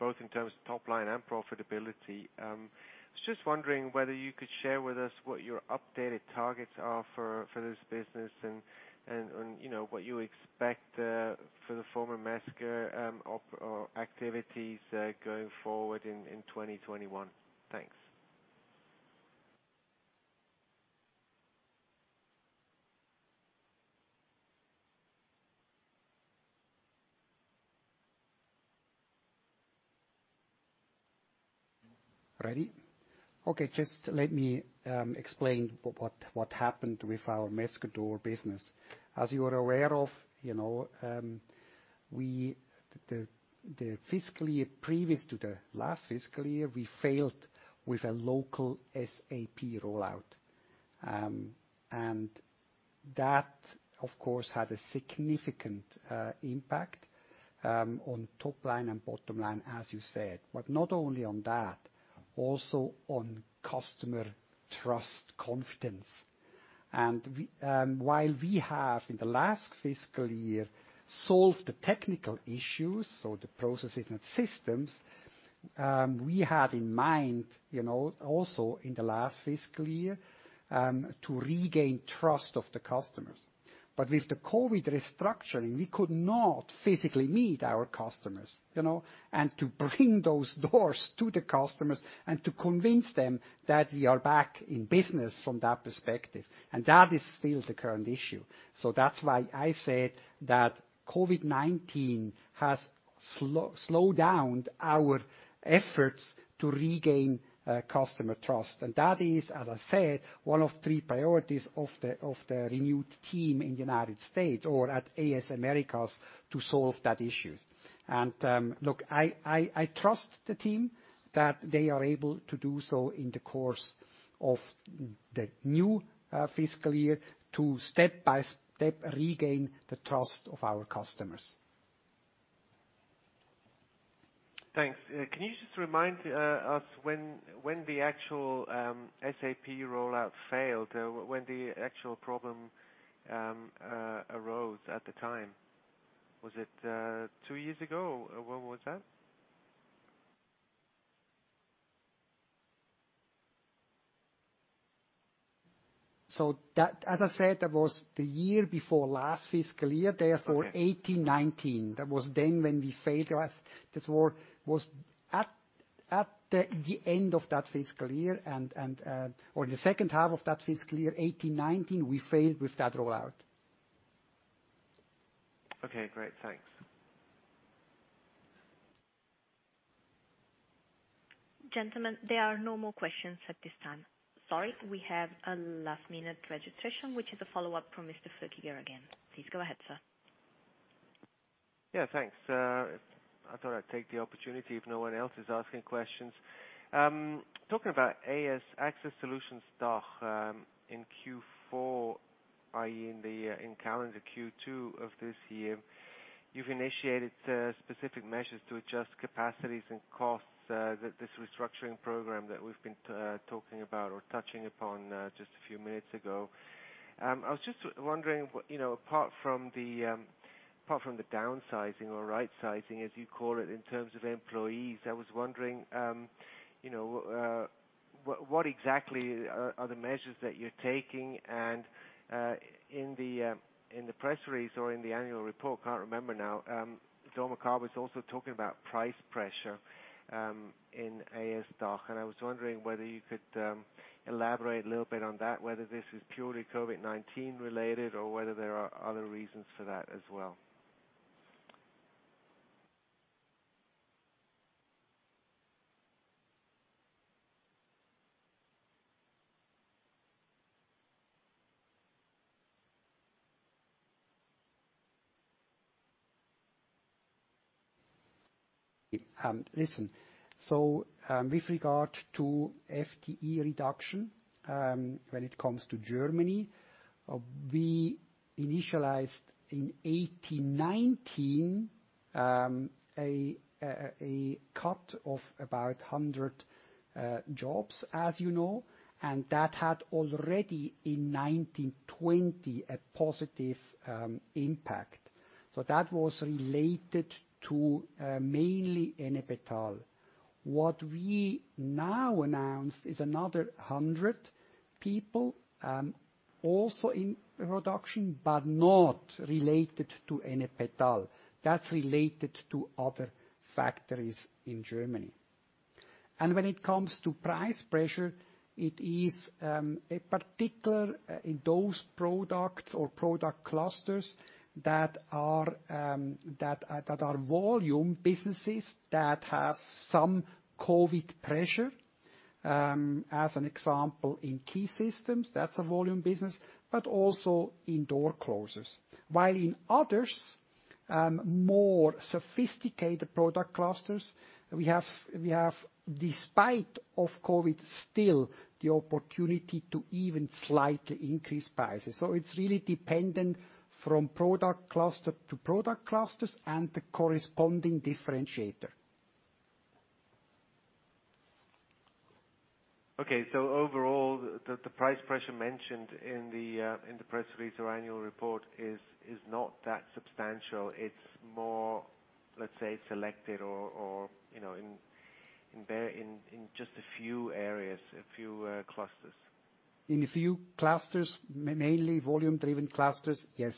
both in terms of top line and profitability. I was just wondering whether you could share with us what your updated targets are for this business and what you expect for the former Mesker activities going forward in 2021. Thanks. Ready? Okay. Just let me explain what happened with our Mesker door business. As you are aware of, the fiscal year previous to the last fiscal year, we failed with a local SAP rollout. That, of course, had a significant impact on top line and bottom line, as you said. Not only on that, also on customer trust confidence. While we have, in the last fiscal year, solved the technical issues, so the processes and systems, we had in mind, also in the last fiscal year, to regain trust of the customers. With the COVID restructuring, we could not physically meet our customers. To bring those doors to the customers and to convince them that we are back in business from that perspective, that is still the current issue. That's why I said that COVID-19 has slowed down our efforts to regain customer trust. That is, as I said, one of three priorities of the renewed team in the U.S. or at AS Americas to solve that issue. Look, I trust the team that they are able to do so in the course of the new fiscal year to step-by-step regain the trust of our customers. Thanks. Can you just remind us when the actual SAP rollout failed, when the actual problem arose at the time? Was it two years ago? When was that? As I said, that was the year before last fiscal year, therefore 2018, 2019. That was then when we failed. This was at the end of that fiscal year or the second half of that fiscal year, 2018, 2019, we failed with that rollout. Okay, great. Thanks. Gentlemen, there are no more questions at this time. Sorry, we have a last-minute registration, which is a follow-up from Mr. Flueckiger again. Please go ahead, sir. Yeah, thanks. I thought I'd take the opportunity if no one else is asking questions. Talking about AS, Access Solutions DACH, in Q4, i.e., in calendar Q2 of this year, you've initiated specific measures to adjust capacities and costs, this restructuring program that we've been talking about or touching upon just a few minutes ago. I was just wondering apart from the downsizing or rightsizing, as you call it, in terms of employees, I was wondering what exactly are the measures that you're taking? In the press release or in the annual report, can't remember now, dormakaba is also talking about price pressure in AS DACH, and I was wondering whether you could elaborate a little bit on that, whether this is purely COVID-19 related or whether there are other reasons for that as well. Listen. With regard to FTE reduction, when it comes to Germany, we initialized in 2018/2019 a cut of about 100 jobs, as you know, and that had already in 2019/2020, a positive impact. That was related to mainly Ennepetal. What we now announced is another 100 people, also in reduction, but not related to Ennepetal. That's related to other factories in Germany. When it comes to price pressure, it is a particular in those products or product clusters that are volume businesses that have some COVID-19 pressure. As an example, in Key Systems, that's a volume business, but also in door closures. While in others, more sophisticated product clusters, we have despite of COVID-19, still the opportunity to even slightly increase prices. It's really dependent from product cluster to product clusters and the corresponding differentiator. Okay, overall, the price pressure mentioned in the press release or annual report is not that substantial. It's more, let's say, selected or in just a few areas, a few clusters. In a few clusters, mainly volume-driven clusters, yes.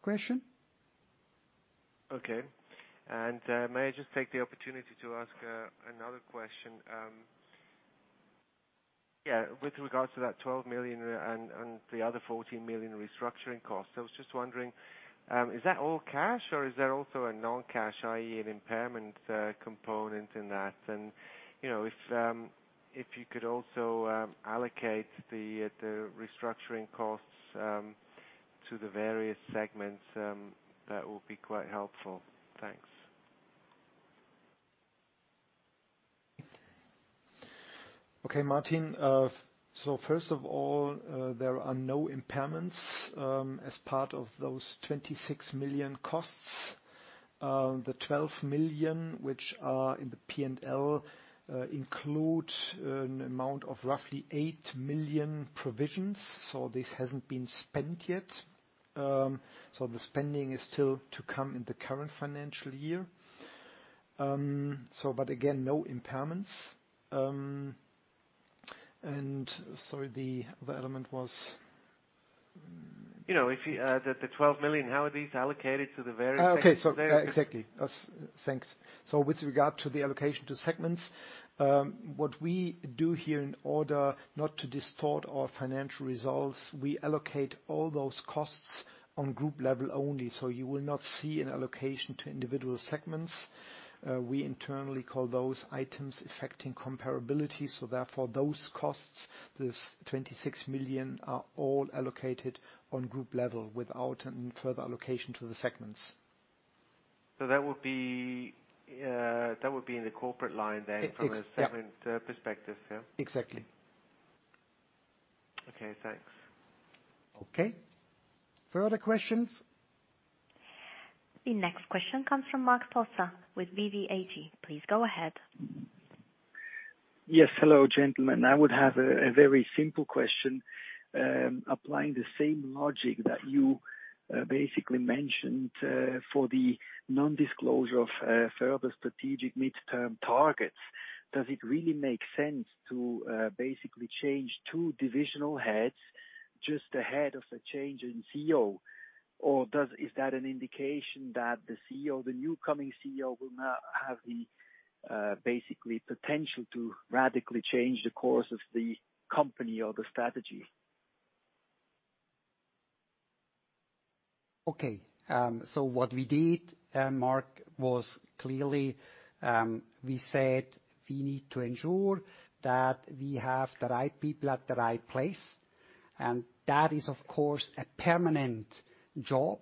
Question? Okay. May I just take the opportunity to ask another question? With regards to that 12 million and the other 14 million restructuring costs, I was just wondering, is that all cash or is there also a non-cash, i.e., an impairment component in that? If you could also allocate the restructuring costs to the various segments, that will be quite helpful. Thanks. Okay, Martin. First of all, there are no impairments as part of those 26 million costs. The 12 million, which are in the P&L, include an amount of roughly 8 million provisions. This hasn't been spent yet. The spending is still to come in the current financial year. Again, no impairments. Sorry, the other element was? The 12 million, how are these allocated to the various segments? Okay. Exactly. Thanks. With regard to the allocation to segments, what we do here in order not to distort our financial results, we allocate all those costs on group level only. You will not see an allocation to individual segments. We internally call those items affecting comparability. Therefore, those costs, this 26 million, are all allocated on group level without any further allocation to the segments. That would be in the corporate line from a segment perspective, yeah? Exactly. Okay, thanks. Okay. Further questions? The next question comes from Mark Tossa with BVAG. Please go ahead. Yes. Hello, gentlemen. I would have a very simple question. Applying the same logic that you basically mentioned, for the non-disclosure of further strategic midterm targets, does it really make sense to basically change two divisional heads just ahead of the change in CEO? Is that an indication that the new coming CEO will not have the basically potential to radically change the course of the company or the strategy? Okay. What we did, Mark, was clearly, we said we need to ensure that we have the right people at the right place. That is, of course, a permanent job.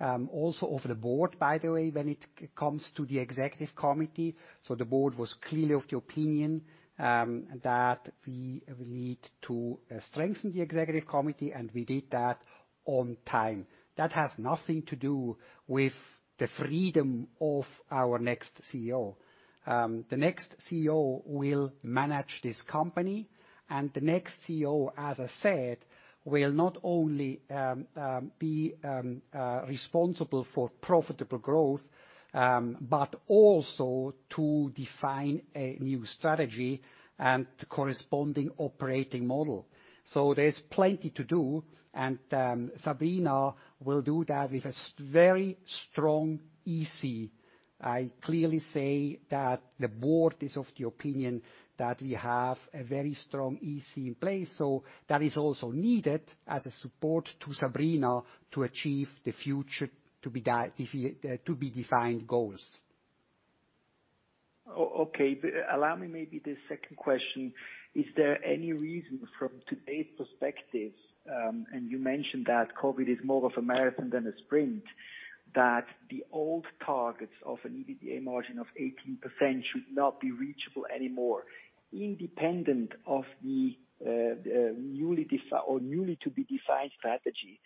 Also of the Board, by the way, when it comes to the Executive Committee. The Board was clearly of the opinion that we will need to strengthen the Executive Committee, and we did that on time. That has nothing to do with the freedom of our next CEO. The next CEO will manage this company, and the next CEO, as I said, will not only be responsible for profitable growth, but also to define a new strategy and the corresponding operating model. There's plenty to do, and Sabrina will do that with a very strong EC. I clearly say that the Board is of the opinion that we have a very strong EC in place. That is also needed as a support to Sabrina to achieve the future to-be-defined goals. Okay. Allow me maybe the second question. Is there any reason from today's perspective, and you mentioned that COVID is more of a marathon than a sprint, that the old targets of an EBITDA margin of 18% should not be reachable anymore, independent of the newly to be defined strategy?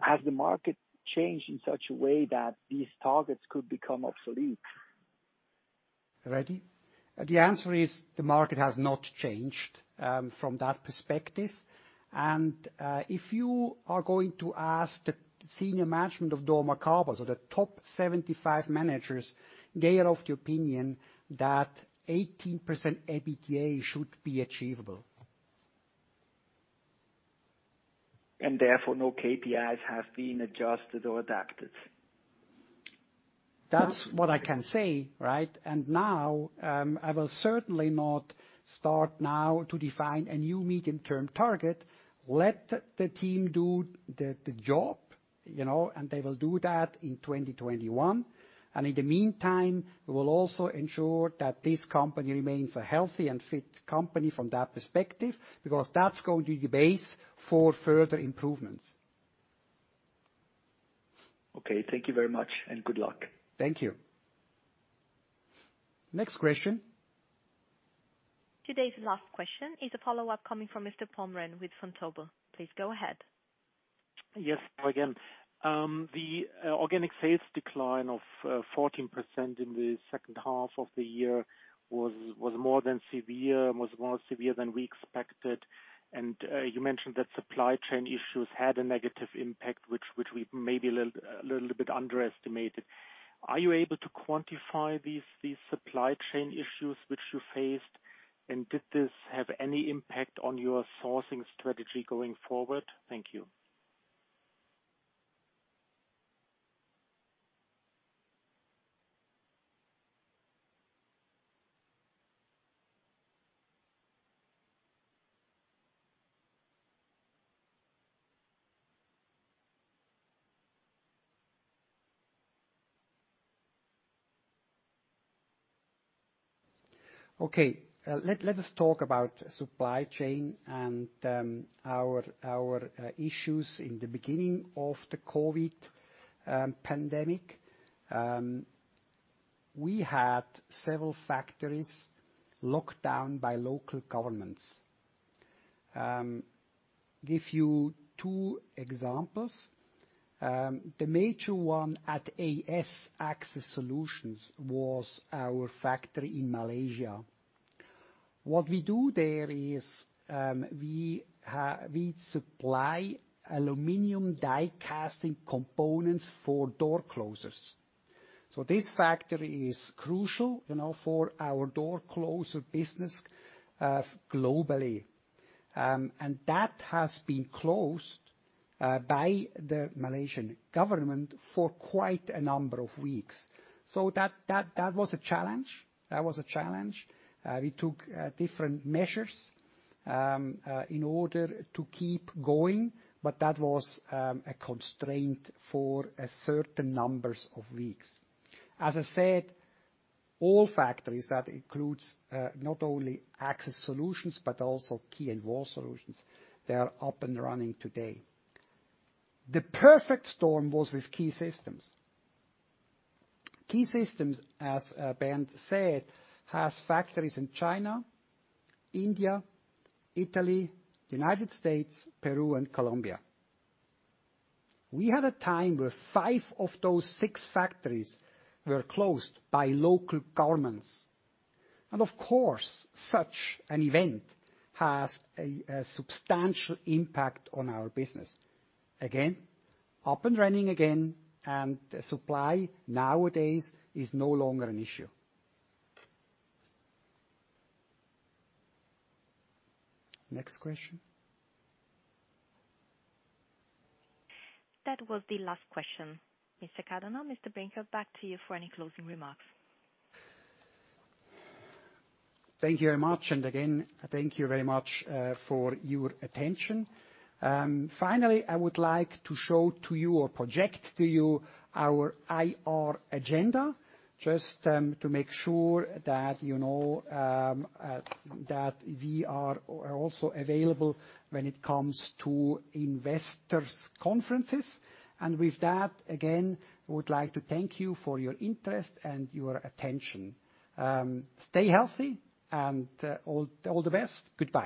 Has the market changed in such a way that these targets could become obsolete? Ready? The answer is, the market has not changed from that perspective. If you are going to ask the senior management of dormakaba, so the top 75 managers, they are of the opinion that 18% EBITDA should be achievable. Therefore, no KPIs have been adjusted or adapted? That's what I can say, right? Now, I will certainly not start now to define a new medium-term target. Let the team do the job, and they will do that in 2021. In the meantime, we will also ensure that this company remains a healthy and fit company from that perspective, because that's going to be the base for further improvements. Okay. Thank you very much, and good luck. Thank you. Next question. Today's last question is a follow-up coming from Mr. Pommeré with Vontobel. Please go ahead. Yes, again. The organic sales decline of 14% in the second half of the year was more than severe, was more severe than we expected. You mentioned that supply chain issues had a negative impact, which we maybe a little bit underestimated. Are you able to quantify these supply chain issues which you faced? Did this have any impact on your sourcing strategy going forward? Thank you. Okay. Let us talk about supply chain and our issues in the beginning of the COVID pandemic. We had several factories locked down by local governments. Give you two examples. The major one at AS, Access Solutions, was our factory in Malaysia. What we do there is, we supply aluminum die casting components for door closers. This factory is crucial for our door closer business globally. That has been closed by the Malaysian government for quite a number of weeks. That was a challenge. We took different measures in order to keep going, but that was a constraint for a certain numbers of weeks. As I said, all factories, that includes not only Access Solutions but also Key & Wall Solutions, they are up and running today. The perfect storm was with Key Systems. Key Systems, as Bernd said, has factories in China, India, Italy, U.S., Peru, and Colombia. We had a time where five of those six factories were closed by local governments. Of course, such an event has a substantial impact on our business. Again, up and running again, and supply nowadays is no longer an issue. Next question. That was the last question. Mr. Cadonau, Mr. Brinker, back to you for any closing remarks. Thank you very much, again, thank you very much for your attention. Finally, I would like to show to you or project to you our IR agenda, just to make sure that you know that we are also available when it comes to investors conferences. With that, again, I would like to thank you for your interest and your attention. Stay healthy and all the best. Goodbye.